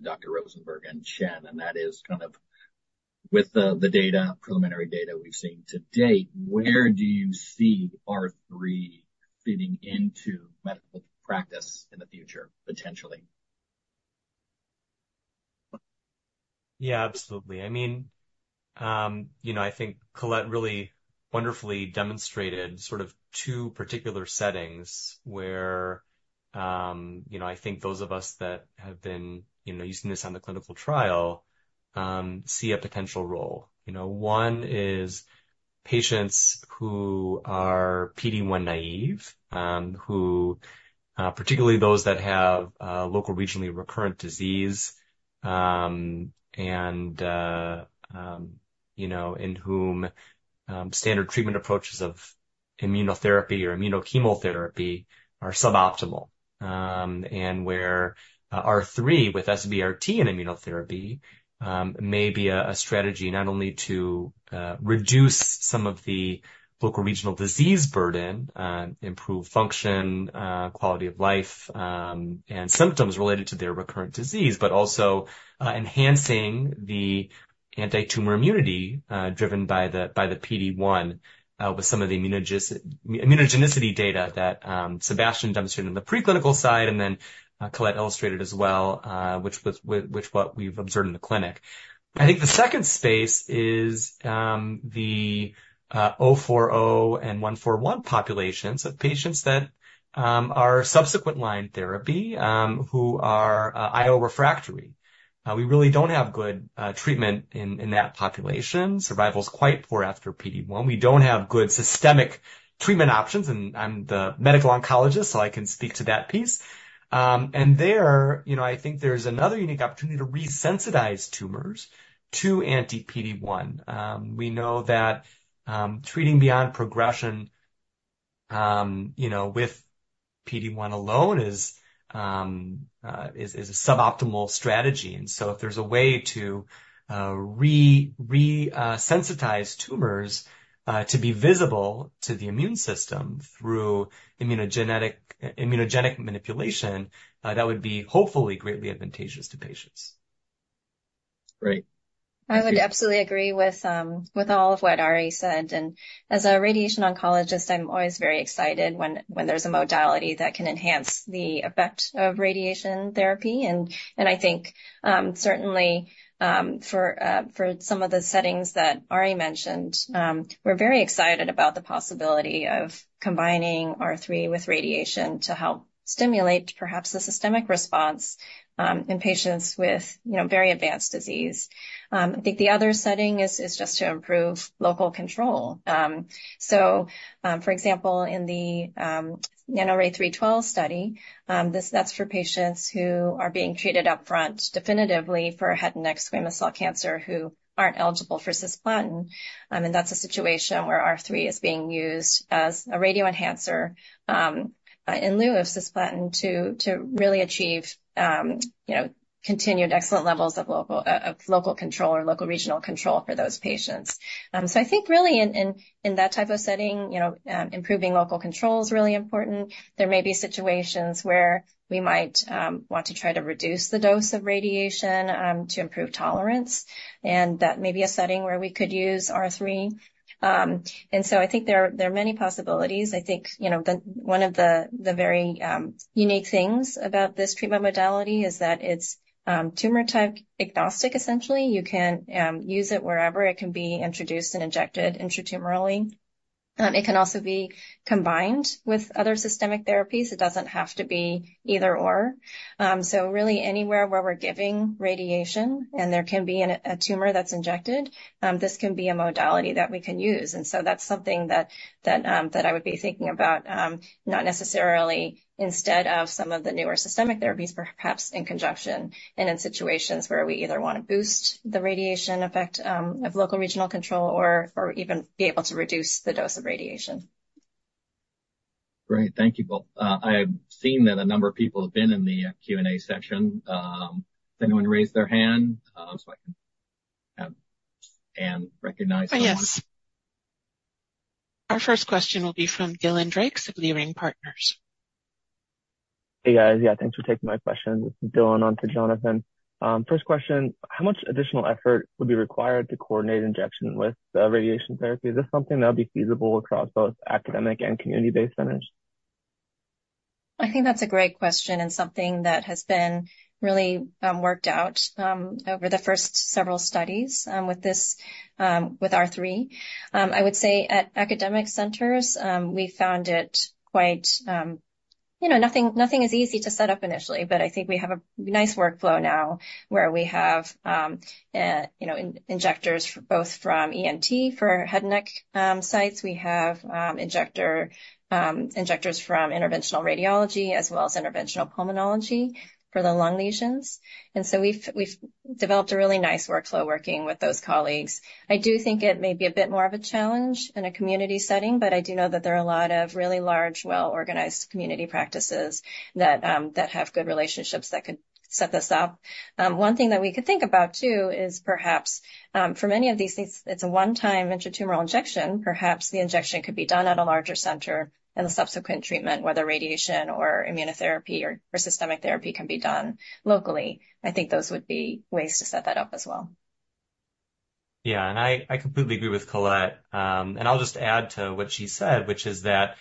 Dr. Rosenberg and Shen. And that is kind of with the data, preliminary data we've seen to date, where do you see R3 fitting into medical practice in the future potentially? Yeah, absolutely. I mean, you know, I think Colette really wonderfully demonstrated sort of two particular settings where, you know, I think those of us that have been, you know, using this on the clinical trial see a potential role. You know, one is patients who are PD-1 naive, who, particularly those that have local regionally recurrent disease and, you know, in whom standard treatment approaches of immunotherapy or immunochemotherapy are suboptimal and where R3 with SBRT and immunotherapy may be a strategy not only to reduce some of the local regional disease burden, improve function, quality of life and symptoms related to their recurrent disease, but also enhancing the antitumor immunity driven by the PD1 with some of the immunogenicity data that Sébastien demonstrated on the preclinical side and then Colette illustrated as well, which what we've observed in the clinic. I think the second space is the 040 and 141 populations of patients that are subsequent line therapy who are IO-refractory. We really don't have good treatment in that population. Survival is quite poor after PD1. We don't have good systemic treatment options. I'm the medical oncologist, so I can speak to that piece of. There, you know, I think there's another unique opportunity to resensitize tumors to anti-PD-1. We know that treating beyond progression, you know, with PD-1 alone is a suboptimal strategy. So if there's a way to resensitize tumors to be visible to the immune system through immunogenic manipulation, that would be hopefully greatly advantageous to patients. Great. I would absolutely agree with all of what Ari said. As a radiation oncologist, I'm always very excited when there's a modality that can enhance the effect of radiation therapy. I think certainly for some of the settings that Ari mentioned, we're very excited about the possibility of combining R3 with radiation to help stimulate perhaps the systemic response in patients with very advanced disease. I think the other setting is just to improve local control. For example, in the NANORAY-312 study, that's for patients who are being treated up front definitively for head and neck squamous cell cancer who aren't eligible for Cisplatin. That's a situation where R3 is being used as a radio enhancer in lieu of Cisplatin to really achieve, you know, continued excellent levels of local, local control or local regional control for those patients. I think really in. In that type of setting, you know, improving local control is really important. There may be situations where we might want to try to reduce the dose of radiation to improve tolerance, and that may be a setting where we could use R3. And so I think there are many possibilities. I think one of the very unique things about this treatment modality is that it's tumor type agnostic, essentially. You can use it wherever it can be introduced and injected intratumorally. It can also be combined with other systemic therapies. It doesn't have to be either or so really anywhere where we're giving radiation and there can be a tumor that's injected, this can be a modality that we can use. And so that's something that I would be thinking about, not necessarily instead of some of the newer systemic therapies, perhaps in conjunction and in situations where we either want to boost the radiation effect of local regional control or even be able to reduce the dose of radiation. Great. Thank you both. I seen that a number of people have been in the Q and A section. Does anyone raise their hand so I can have Ann recognize? Our first question will be from Dylan Drakes of Leerink Partners. Hey guys. Yeah, thanks for taking my questions. This is Dylan on for Jonathan. First question. How much additional effort would be required to coordinate injection with radiation therapy? Is this something that'll be feasible across? Both academic and community-based centers? I think that's a great question and something that has been really worked out over the first several studies with this, with R3. I would say at academic centers, we found it quite, you know, nothing, nothing is easy to set up initially, but I think we have a nice workflow now where we have, you know, injectors both from ENT for head and neck sites. We have injector injectors from interventional radiology as well as interventional pulmonology for the lung lesions. And so we've developed a really nice workflow working with those colleagues. I do think it may be a bit more of a challenge in a community setting, but I do know that there are a lot of really large, well organized community practices that have good relationships that could set this up. One thing that we could think about too is perhaps for many of these things, it's a one-time intratumoral injection. Perhaps the injection could be done at a larger center and the subsequent treatment, whether radiation or immunotherapy or systemic therapy, can be done locally. I think those would be ways to set that up as well. Yeah, and I completely agree with Colette and I'll just add to what she said, which is that,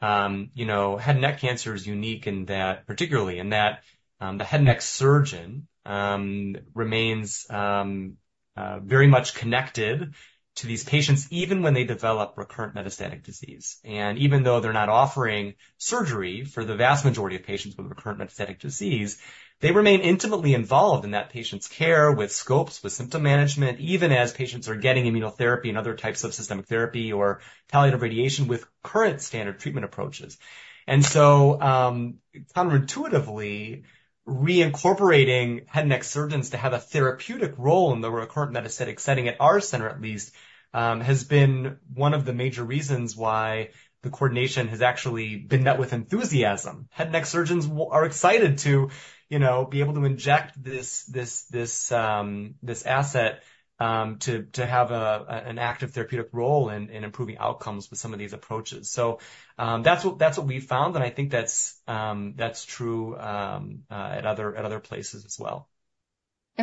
you know, head and neck cancer is unique in that, particularly in that the head and neck surgeon remains very much connected to these patients even when they develop recurrent metastatic disease. Even though they're not offering surgery for the vast majority of patients with recurrent metastatic disease, they remain intimately involved in that patient's care with scopes with symptom management, even as patients are getting immunotherapy and other types of systemic therapy or palliative radiation with current standard treatment approaches. And so counterintuitively reincorporating head and neck surgeons to have a therapeutic role in the recurrent metastatic setting at our center at least, has been one of the major reasons why the coordination has actually been met with enthusiasm. Head and neck surgeons are excited to, you know, be able to inject this asset, to have an active therapeutic role in improving outcomes with some of these approaches. So that's what we found, and I think that's true at other places as well.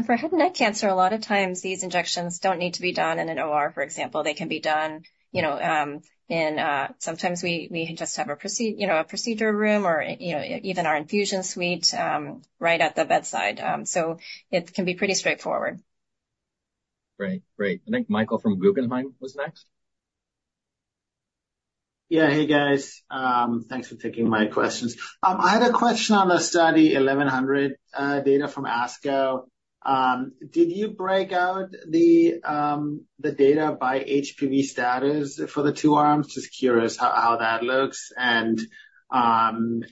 For head and neck cancer, a lot of times these injections don't need to be done in an OR, for example. They can be done, you know, in. Sometimes we just have a procedure, you know, a procedure room or, you know, even our infusion suite right at the bedside. So it can be pretty straightforward. Great, great. I think Michael from Guggenheim was next. Yeah. Hey, guys, thanks for taking my questions. I had a question on the Study 1100 data from ASCO. Did you break out the data by HPV status for the two arms? Just curious how that looks. And the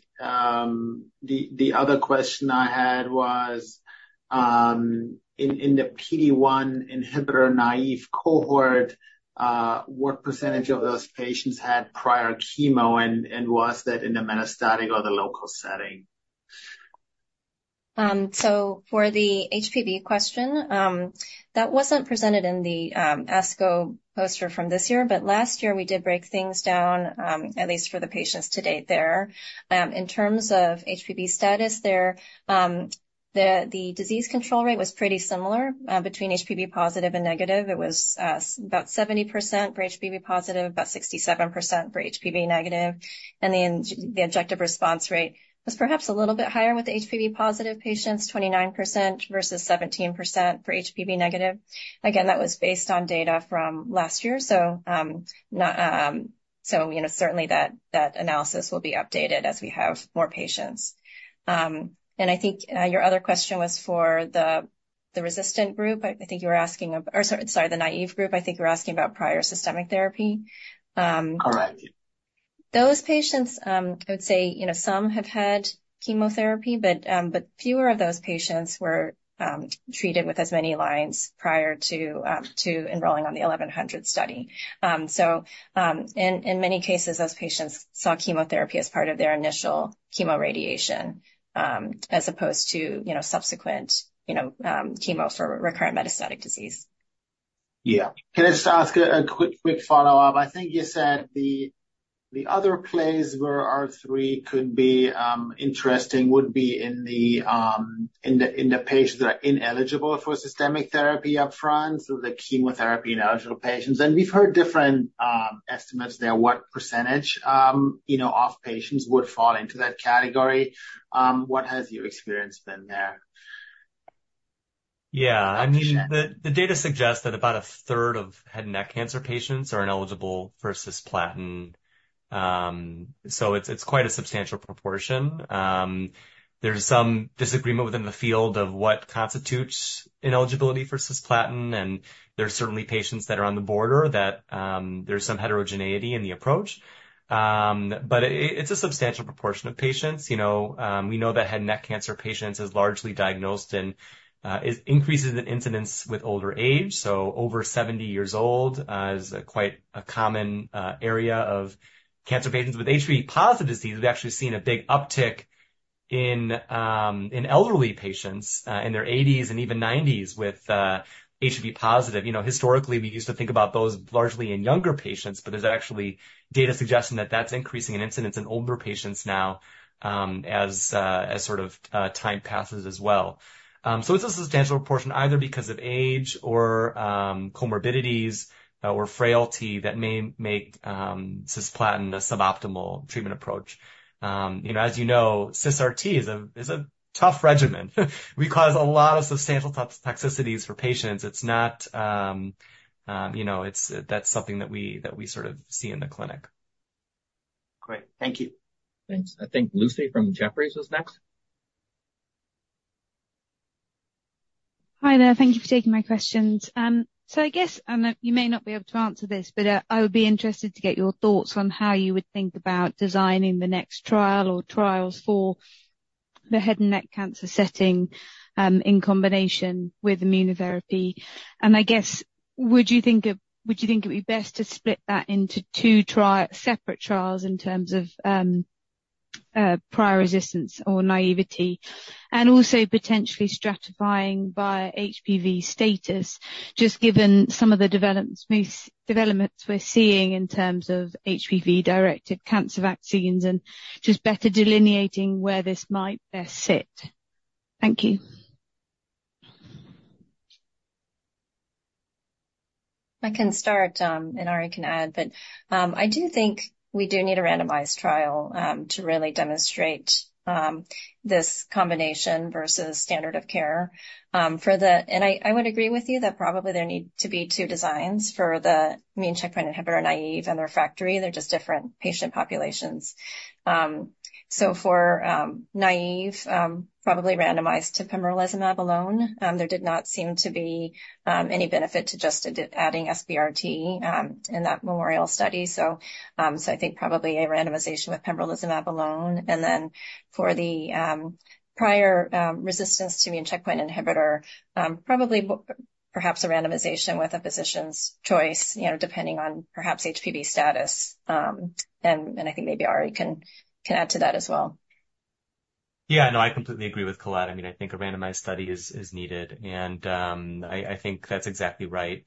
other question I had was, in the PD-1 inhibitor naive cohort, what percentage of those patients had prior chemo. Was that in the metastatic or the lower setting? So for the HPV question, that wasn't presented in the ASCO poster from this year, but last year we did break things down, at least for the patients to date there. In terms of HPV status there, the disease control rate was pretty similar between HPV positive and negative. It was about 70% for HPV positive, about 67% for HPV negative. And the objective response rate was perhaps a little bit higher with HPV positive patients, 29% versus 17% for HPV negative. Again, that was based on data from last year. So certainly that analysis will be updated as we have more patients. And I think your other question was for the resistant group. I think you were asking. Or. Sorry, the naive group. I think you were asking about prior systemic therapy, correct? Yes. Those patients, I would say some have had chemotherapy, but fewer of those patients were treated with as many lines prior to enrolling on the 1100 study. So in many cases, those patients saw chemotherapy as part of their initial chemo radiation as opposed to subsequent chemo for recurrent metastatic disease. Yeah. Can I just ask a quick follow up? I think you said the other place where R3 could be interesting would be in the patients that are ineligible for systemic therapy up front. The chemotherapy in elderly patients, and. We've heard different estimates there. What percentage of patients would fall into that category? What has your experience been there? Yeah, I mean, the data suggests that about a third of head and neck cancer patients are ineligible for Cisplatin. So it's quite a substantial proportion. There's some disagreement within the field of what constitutes ineligibility for Cisplatin. And there's certainly patients that are on the border that there's some heterogeneity in the approach, but it's a substantial proportion of patients. You know, we know that head and neck cancer patients is largely diagnosed and is increases in incidence with older age. So over 70 years old is quite a common area of cancer patients with HPV positive disease. We've actually seen a big uptick in elderly patients in their 80s and even 90s with HPV positive. You know, historically we used to think about those largely in younger patients, but there's actually data suggesting that that's increasing in incidence in older patients now as sort of time passes as well. So it's a substantial proportion either because of age or comorbidities or frailty that may make cisplatin a suboptimal treatment approach. You know, as you know, Cisplatin RT is a tough regimen. It causes a lot of substantial toxicities for patients. It's not, you know, it's. That's something that we sort of see in the clinic. Great, thank you. Thanks. I think Lucy from Jefferies is next. Hi there. Thank you for taking my questions. I guess you may not be able to answer this, but I would. Be interested to get your thoughts on. How you would think about designing the? Next trial or trials for the head. and neck cancer setting in combination with immunotherapy. I guess would you think it would be best to split that into. Two separate trials in terms of prior. Resistance or naivety and also potentially stratifying via HPV status, just given some of the developments we're seeing in terms of. HPV-directed cancer vaccines and just better delineating where this might fit. Thank you. I can start and Ari can add. But I do think we do need a randomized trial to really demonstrate this combination versus standard of care for the H&N. I would agree with you that probably there need to be two designs for the immune checkpoint inhibitor naive and the refractory. They're just different patient populations. So for naive, probably randomized to pembrolizumab alone, there did not seem to be any benefit to just adding SBRT in that Memorial study. So I think probably a randomization with pembrolizumab alone and then for the prior resistance to immune checkpoint inhibitor, probably perhaps a randomization with a physician's choice depending on perhaps HPV status. And I think maybe Ari can add to that as well. Yeah, no, I completely agree with Colette. I mean, I think a randomized study is needed, and I think that's exactly right.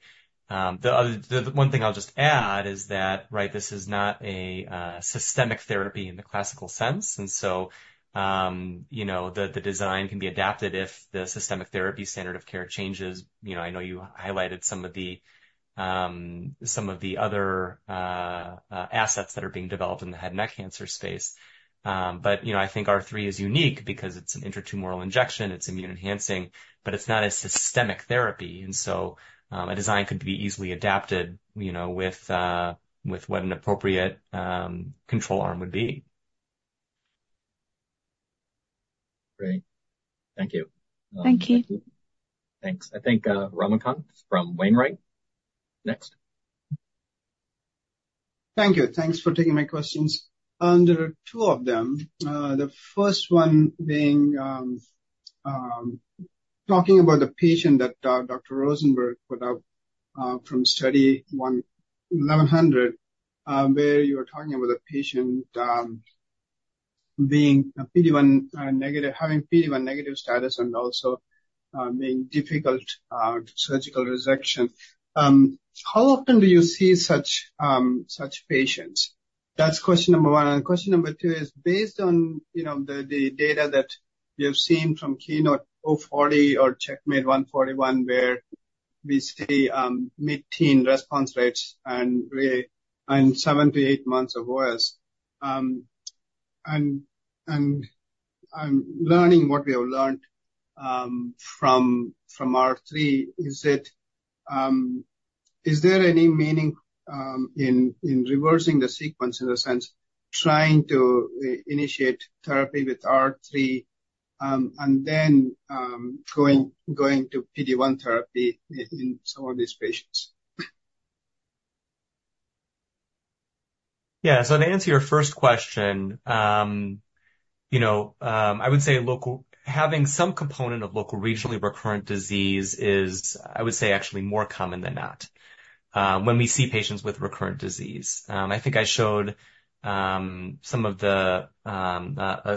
The one thing I'll just add is that right? This is not a systemic therapy in the classical sense. And so, you know, the design can be adapted if the systemic therapy standard of care changes. You know, I know you highlighted some of the, some of the other assets that are being developed in the head and neck cancer space. But, you know, I think R3 is unique because it's an intratumoral injection, it's immune enhancing, but it's not a systemic therapy. And so a design could be easily adapted, you know, with what an appropriate control arm would be. Great, thank you. Thank you. Thanks. I think Ramakanth from Wainwright, next. Thank you. Thanks for taking my questions. There are two of them. The first one being talking about the patient that Dr. Rosenberg put up from Study 1100, where you are talking about the patient being PD1 negative, having PD1 negative status, and also being difficult surgical resection. How often do you see such patients? That's question number one. And question number two is based on the data that you have seen from KEYNOTE-040 or CheckMate 141, where we see mid-teen response rates and, and 7-8 months of OS. And I'm learning what we have learned from R3 is it, is there any meaning in reversing the sequence, in a sense, trying to initiate therapy with R3 and then going to PD1 therapy in. Some of these patients? Yeah. So to answer your first question, you know, I would say local. Having some component of local regionally recurrent disease is, I would say, actually more common than not when we see patients with recurrent disease. I think I showed some of the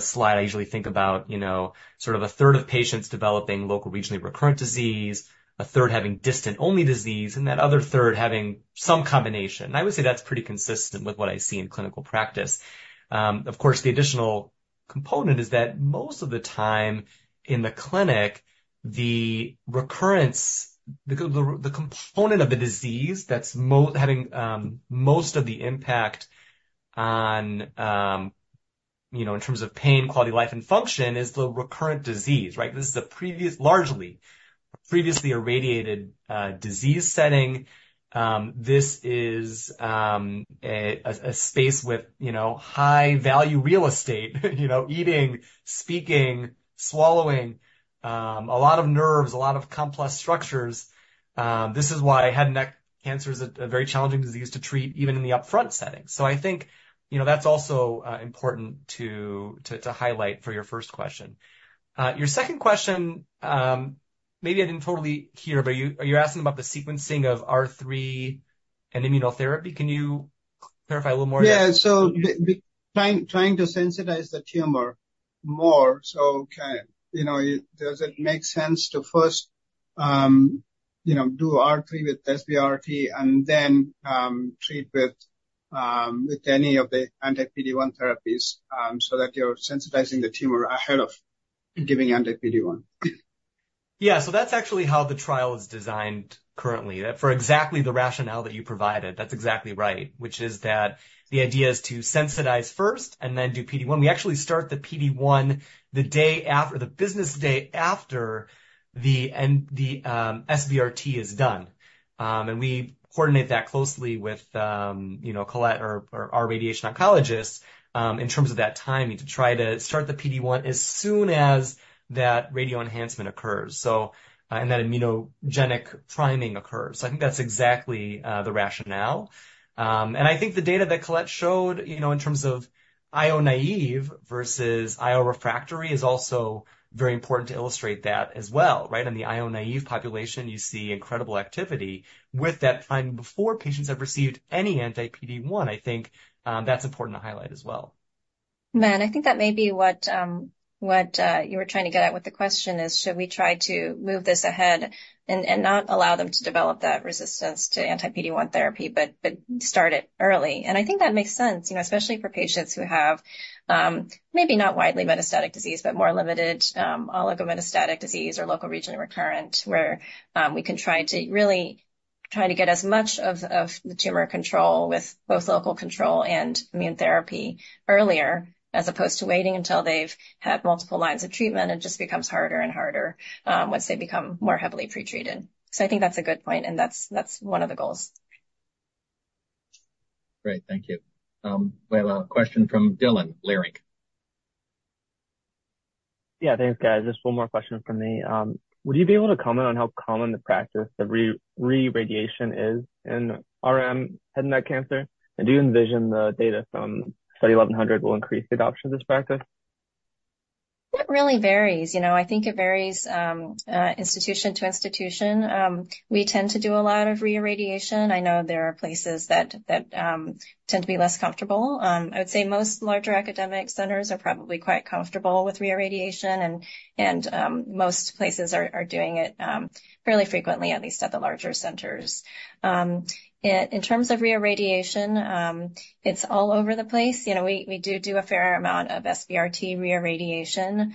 slide. I usually think about, you know, sort of a third of patients developing local regionally recurrent disease, a third having distant only disease, and that other third having some combination. I would say that's pretty consistent with what I see in clinical practice. Of course, the additional component is that most of the time in the clinic, the recurrence, the component of the disease that's having most of the impact on, you know, in terms of pain, quality, life and function, is the recurrent disease. Right. This is a previous largely previously irradiated disease setting. This is a space with, you know, high value real estate, you know, eating, speaking, swallowing, a lot of nerves, a lot of complex structures. This is why head and neck cancer is a very challenging disease to treat, even in the upfront setting. So I think, you know, that's also important to highlight for your first question. Your second question, maybe I didn't totally hear, but you're asking about the sequencing of R3 and immunotherapy can you clarify a little more? Yeah. So trying to sensitize the tumor more so, you know, does it make sense to first, you know, do R3 with SBRT and then treat with any of the anti-PD-1 therapies so that you're sensitizing the tumor ahead of giving anti-PD-1? Yeah. So that's actually how the trial is designed currently for exactly the rationale that you provided. That's exactly right. Which is that the idea is to sensitize first and then do PD-1. We actually start the PD-1 the day after the business day after the end, the SBRT is done, and we coordinate that closely with, you know, Colette or our radiation oncologists in terms of that timing to try to start the PD-1 as soon as that radio enhancement occurs. So. And that immunogenic priming occurs. So I think that's exactly the rationale. And I think the data that Colette showed, you know, in terms of IO naive vs IO refractory is also very important to illustrate that as well. Right. In the IO naive population, you see incredible activity with that finding before patients have received any anti-PD-1. I think that's important to highlight as well. I think that may be what you were trying to get at with the question is should we try to move this ahead and not allow them to develop that resistance to anti-PD-1 therapy, but start it early? And I think that makes sense, especially for patients who have maybe not widely metastatic disease, but more limited oligometastatic disease or locally, regionally recurrent, where we can try to really get as much of the tumor control with both local control and immune therapy earlier, as opposed to waiting until they've had multiple lines of treatment. It just becomes harder and harder once they become more heavily pre-treated. So I think that's a good point and that's one of the goals. Great, thank you. We have a question from Dylan Drakes. Yeah, thanks guys. Just one more question for me. Would you be able to comment on how common the practice of re-radiation is in RM head and neck cancer? And do you envision the data from Study 1100 will increase the adoption of this practice? It really varies, you know, I think it varies institution to institution. We tend to do a lot of reirradiation. I know there are places that tend to be less comfortable. I would say most larger academic centers are probably quite comfortable with reirradiation and most places are doing it fairly frequently, at least at the larger centers in terms of reirradiation. It's all over the place. We do do a fair amount of SBRT reirradiation,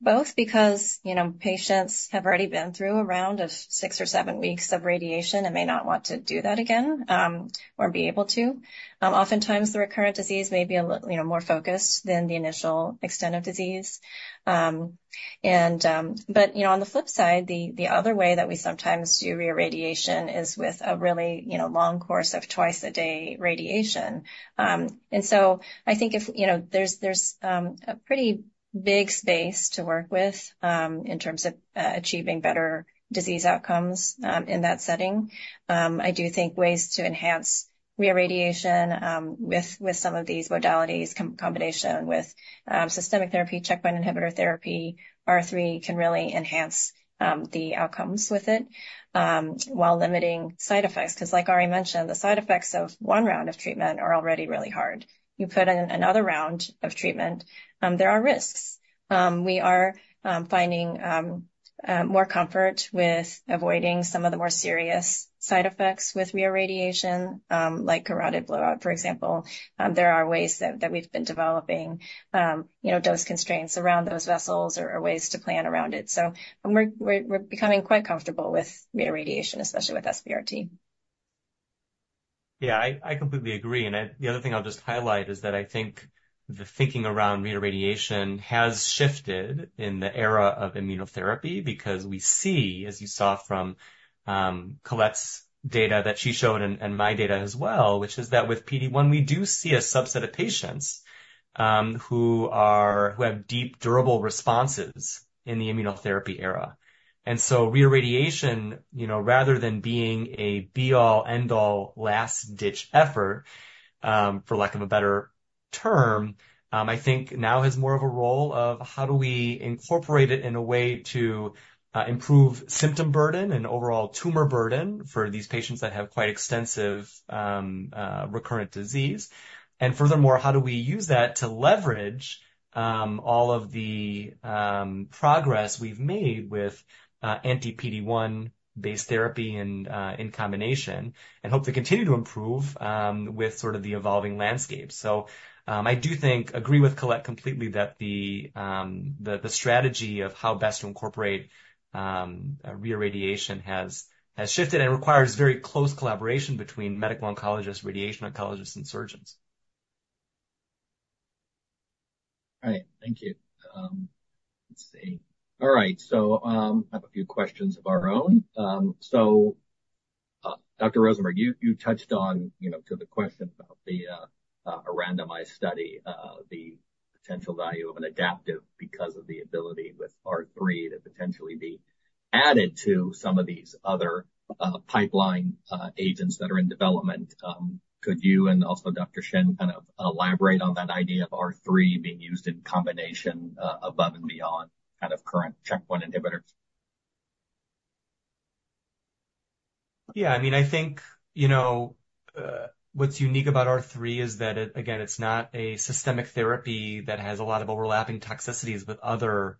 both because patients have already been through a round of six or seven weeks of radiation and may not want to do that again or be able to. Oftentimes the recurrent disease may be more focused than the initial extent of disease. But on the flip side, the other way that we sometimes do reirradiation is with a really long course of twice a day radiation. I think there's a pretty big space to work with in terms of achieving better disease outcomes in that setting. I do think ways to enhance reirradiation with some of these modalities, combination with systemic therapy, checkpoint inhibitor therapy, R3 can really enhance the outcomes with it while limiting side effects. Because like Ari mentioned, the side effects of one round of treatment are already really hard. You put in another round of treatment. There are risks. We are finding more comfort with avoiding some of the more serious side effects with reirradiation, like carotid blowout, for example. There are ways that we've been developing dose constraints around those vessels or ways to plan around it. So we're becoming quite comfortable with radiation, especially with SBRT. Yeah, I completely agree. And the other thing I'll just highlight is that I think the thinking around re-irradiation has shifted in the era of immunotherapy because we see, as you saw from Colette's data that she showed, and my data as well, which is that with PD-1 we do see a subset of patients who are, who have deep, durable responses in the immunotherapy era. And so re-irradiation, you know, rather than being a be-all, end-all last-ditch effort, for lack of a better term, I think now has more of a role of how do we incorporate it in a way to improve symptom burden and overall tumor burden for these patients that have quite extensive recurrent disease. Furthermore, how do we use that to leverage all of the progress we've made with anti-PD-1 based therapy and in combination and hope to continue to improve with sort of the evolving landscape. So I do think, agree with Colette completely that the strategy of how best to incorporate reirradiation has shifted and requires very close collaboration between medical oncologists, radiation oncologists and surgeons. All right, thank you. All right, so a few questions of our own. So, Dr. Rosenberg, you touched on, you know, to the question about the randomized study, the potential value of an adaptive because of the ability with R3 to potentially be added to some of these other pipeline agents that are in development. Could you and also Dr. Shen kind of elaborate on that idea of R3 being used in combination above and beyond kind of current checkpoint inhibitors? Yeah, I mean, I think, you know, what's unique about R3 is that again, it's not a systemic therapy that has a lot of overlapping toxicities with other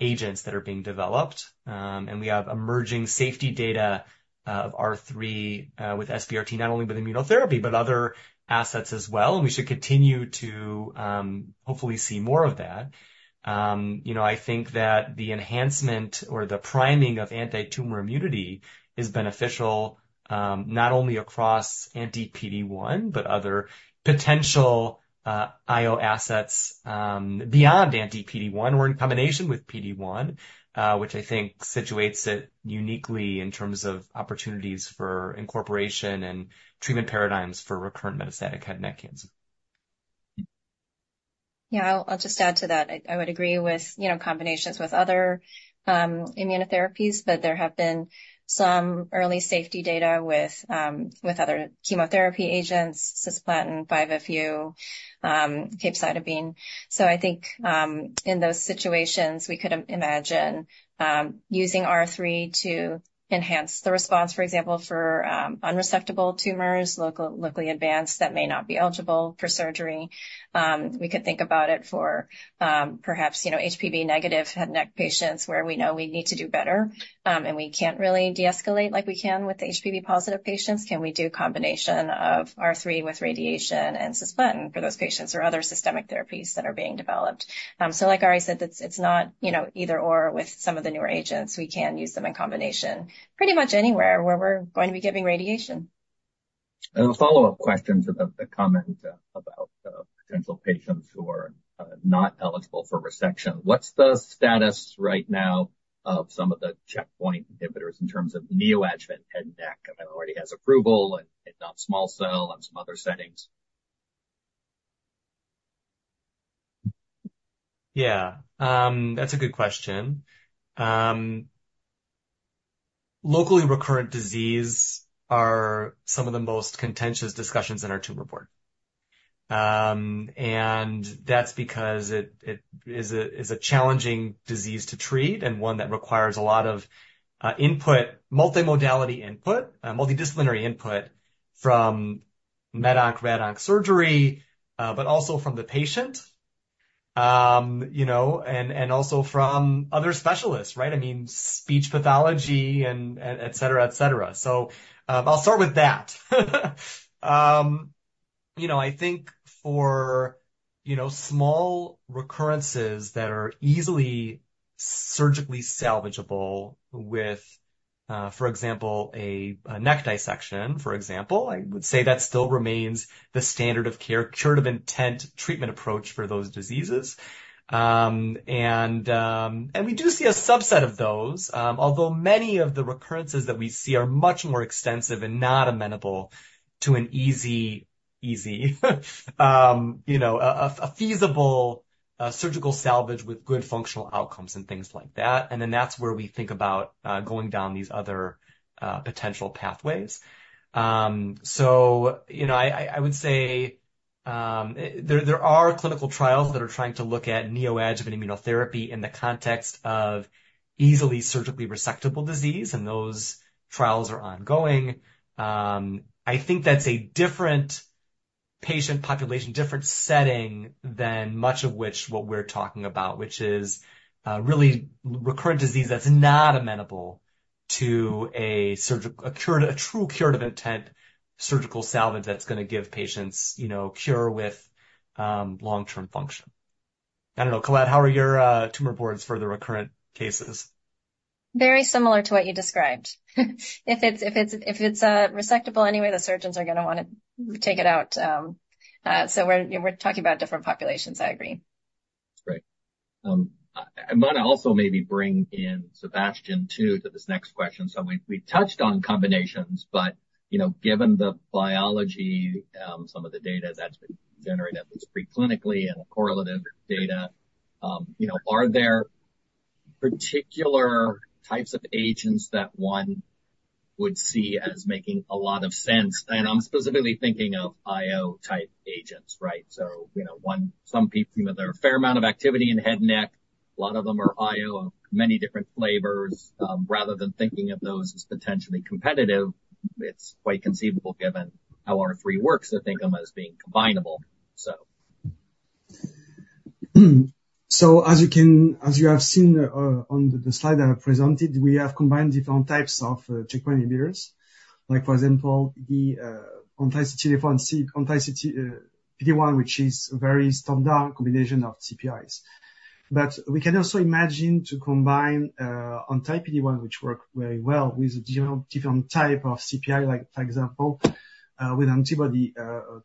agents that are being developed. And we have emerging safety data of R3 with SBRT, not only with immunotherapy, but other assets as well. And we should continue to hopefully see more of that. You know, I think that the enhancement or the priming of antitumor immunity is beneficial not only across anti-PD-1, but other potential IO assets beyond anti-PD-1 or in combination with PD-1, which I think situates it uniquely in terms of, of opportunities for incorporation and treatment paradigms for recurrent metastatic head and neck cancer. Yeah, I'll just add to that. I would agree with, you know, combinations with other immunotherapies, but there have been some early safety data with other chemotherapy agents, Cisplatin, 5-FU, capecitabine. So I think in those situations we could imagine using R3 to enhance the response. For example, for unresectable tumors, locally advanced, that may not be eligible for surgery. We could think about it for perhaps, you know, HPV-negative head and neck patients where we know we need to do better and we can't really deescalate like we can with the HPV-positive patients. Can we do combination of R3 with radiation and Cisplatin for those patients or other systemic diseases therapies that are being developed? Like Ari said, it's not, you know, either or with some of the newer agents. We can use them in combination pretty much anywhere where we're going to be giving radiation. As a follow-up question to the comment about potential patients who are not eligible for resection, what's the status right now of some of the checkpoint inhibitors in terms of neoadjuvant head and neck? I mean, already has approval and non-small cell and some other settings. Yeah, that's a good question. Locally recurrent disease are some of the most contentious discussions in our tumor board. And that's because it is a challenging disease to treat and one that requires a lot of input, multimodality input, multidisciplinary input from med onc, rad onc, surgery, but also from the patient, you know, and also from other specialists. Right. I mean, speech pathology and et cetera, et cetera. So I'll start with that. You know, I think for small recurrences that are easily surgically salvageable with for example a neck dissection, for example, I would say that still remains the standard of care, curative intent treatment approach for those diseases. And we do see a subset of those, although many of the recurrences that we see are much more extensive and not amenable to an easy, easy, you know, a feasible surgical salvage with good functional outcomes and things like that. And then that's where we think about going down these other potential pathways. So, you know, I would say there are clinical trials that are trying to look at neoadjuvant immunotherapy in the context of easily surgically resectable disease. And those trials are ongoing. I think that's a different patient population, different setting than much of which what we're talking about, which is really recurrent disease that's not amenable to a true curative intent surgical salvage that's going to give patients, you know, cure with long term function. I don't know. Colette, how are your tumor boards for the recurrent cases? Very similar to what you described. If it's resectable anyway, the surgeons are going to want to take it out. So we're talking about different populations. I agree. Great. I want to also maybe bring in Sebastian too to this next question. So we touched on combinations, but you know, given the biology, some of the data that's been generated, at least preclinically and correlative data, you know, are there particular types of agents that one would see as making a lot of sense? And I'm specifically thinking of IO type agents. Right. So you know, one, some people, there are a fair amount of activity in head and neck. A lot of them are IO of many different flavors. Rather than thinking of those as potentially competitive, it's quite conceivable given how R3 works, to think of them as being combinable. So. So, as you have seen on the slide that I presented, we have combined different types of checkpoint inhibitors, like for example the anti-CTLA-4 PD-1 which is a very standard combination of CPIs. But we can also imagine to combine anti-PD-1 which work very well with different type of CPI, like for example with antibody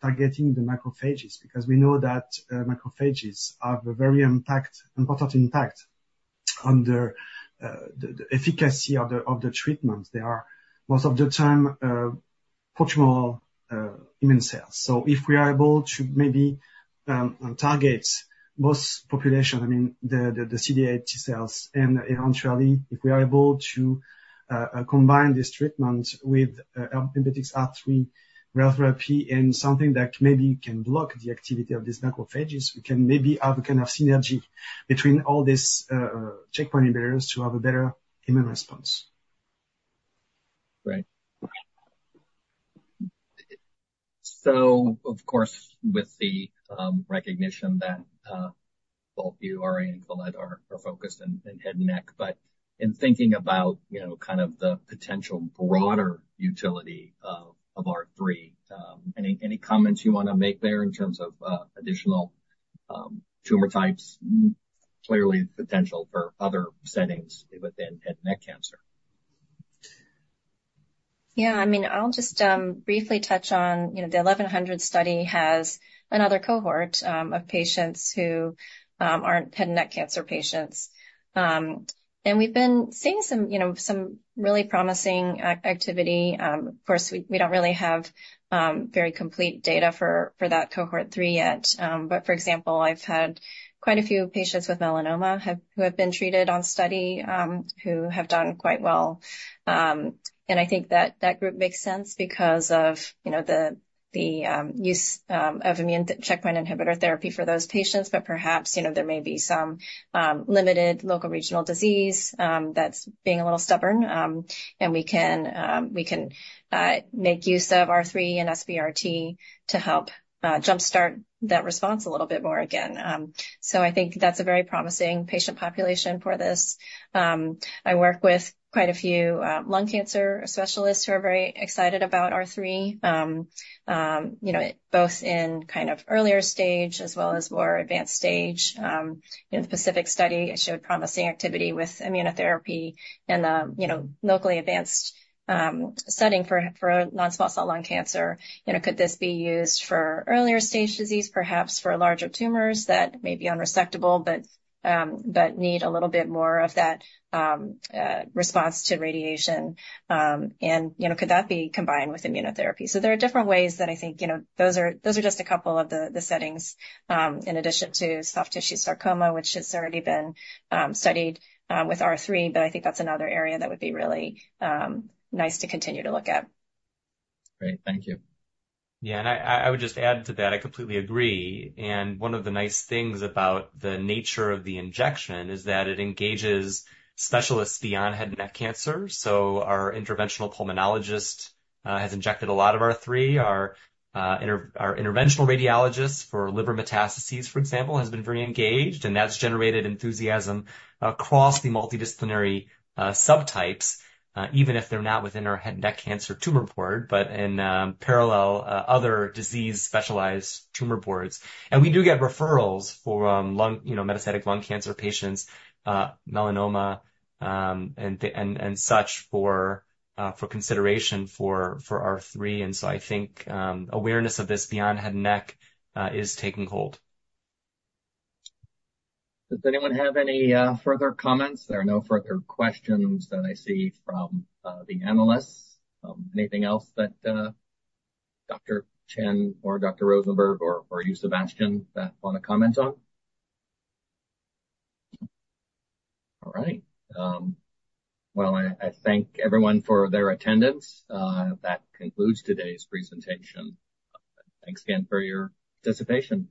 targeting the macrophages because we know that macrophages have an important impact on the efficacy of the treatment. They are most of the time pro-tumoral immune cells. So if we are able to maybe target myeloid population, I mean the CD8 T cells and eventually if we are able to combine this treatment with NBTXR3 radiotherapy and something that maybe can block the activity of these macrophages. We can maybe have a kind of synergy between all these checkpoint inhibitors to have a better immune response. Right. So of course with the recognition that both Ari and Colette are focused in head and neck, but in thinking about, you know, kind of the potential broader utility of R3, any comments you want to make there in terms of additional tumor types, clearly potential for other settings within head and neck cancer? Yeah, I mean, I'll just briefly touch on, you know, the 1100 study has another cohort of patients who aren't head and neck cancer patients. And we've been seeing some, you know, some really promising activity. Of course, we don't really have very complete data for that Cohort 3 yet. But for example, I've had quite a few patients with melanoma who have been treated on study who have done quite well. And I think that that group makes sense because of, you know, the use of immune checkpoint inhibitor therapy for those patients. But perhaps, you know, there's may be some limited local regional disease that's being a little stubborn and we can make use of R3 and SBRT to help jumpstart that response a little bit more again. So I think that's a very promising patient population for this. I work with quite a few lung cancer specialists who are very excited about R3, both in kind of earlier stage as well as more advanced stage. In the PACIFIC study showed promising activity with immunotherapy and locally advanced setting for non-small cell lung cancer. Could this be used for earlier stage disease perhaps for larger tumors that may be unresectable but need a little bit more of that response to radiation and could that be combined with immunotherapy? So there are different ways that I think those are just a couple of the settings. In addition to soft tissue sarcoma, which has already been studied with R3. But I think that's another area that would be really nice to continue to look at. Great, thank you. Yeah. I would just add to that. I completely agree. And one of the nice things about the nature of the injection is that it engages specialists beyond head and neck cancer. So our interventional pulmonologist has injected a lot of our R3, our interventional radiologists for liver metastases, for example, has been very engaged and that's generated enthusiasm across the multidisciplinary subtypes, even if they're not within our head and neck cancer tumor board, in parallel other disease specialized tumor boards. And we do get referrals for lung, you know, metastatic lung cancer patients, melanoma and such, for consideration for R3. And so I think awareness of this beyond head and neck is taking hold. Does anyone have any further comments? There are no further questions that I see from the analysts. Anything else that Dr. Shen or Dr. Rosenberg or you, Sébastien, want to comment on? All right. Well, I thank everyone for their attendance. That concludes today's presentation. Thanks again for your participation.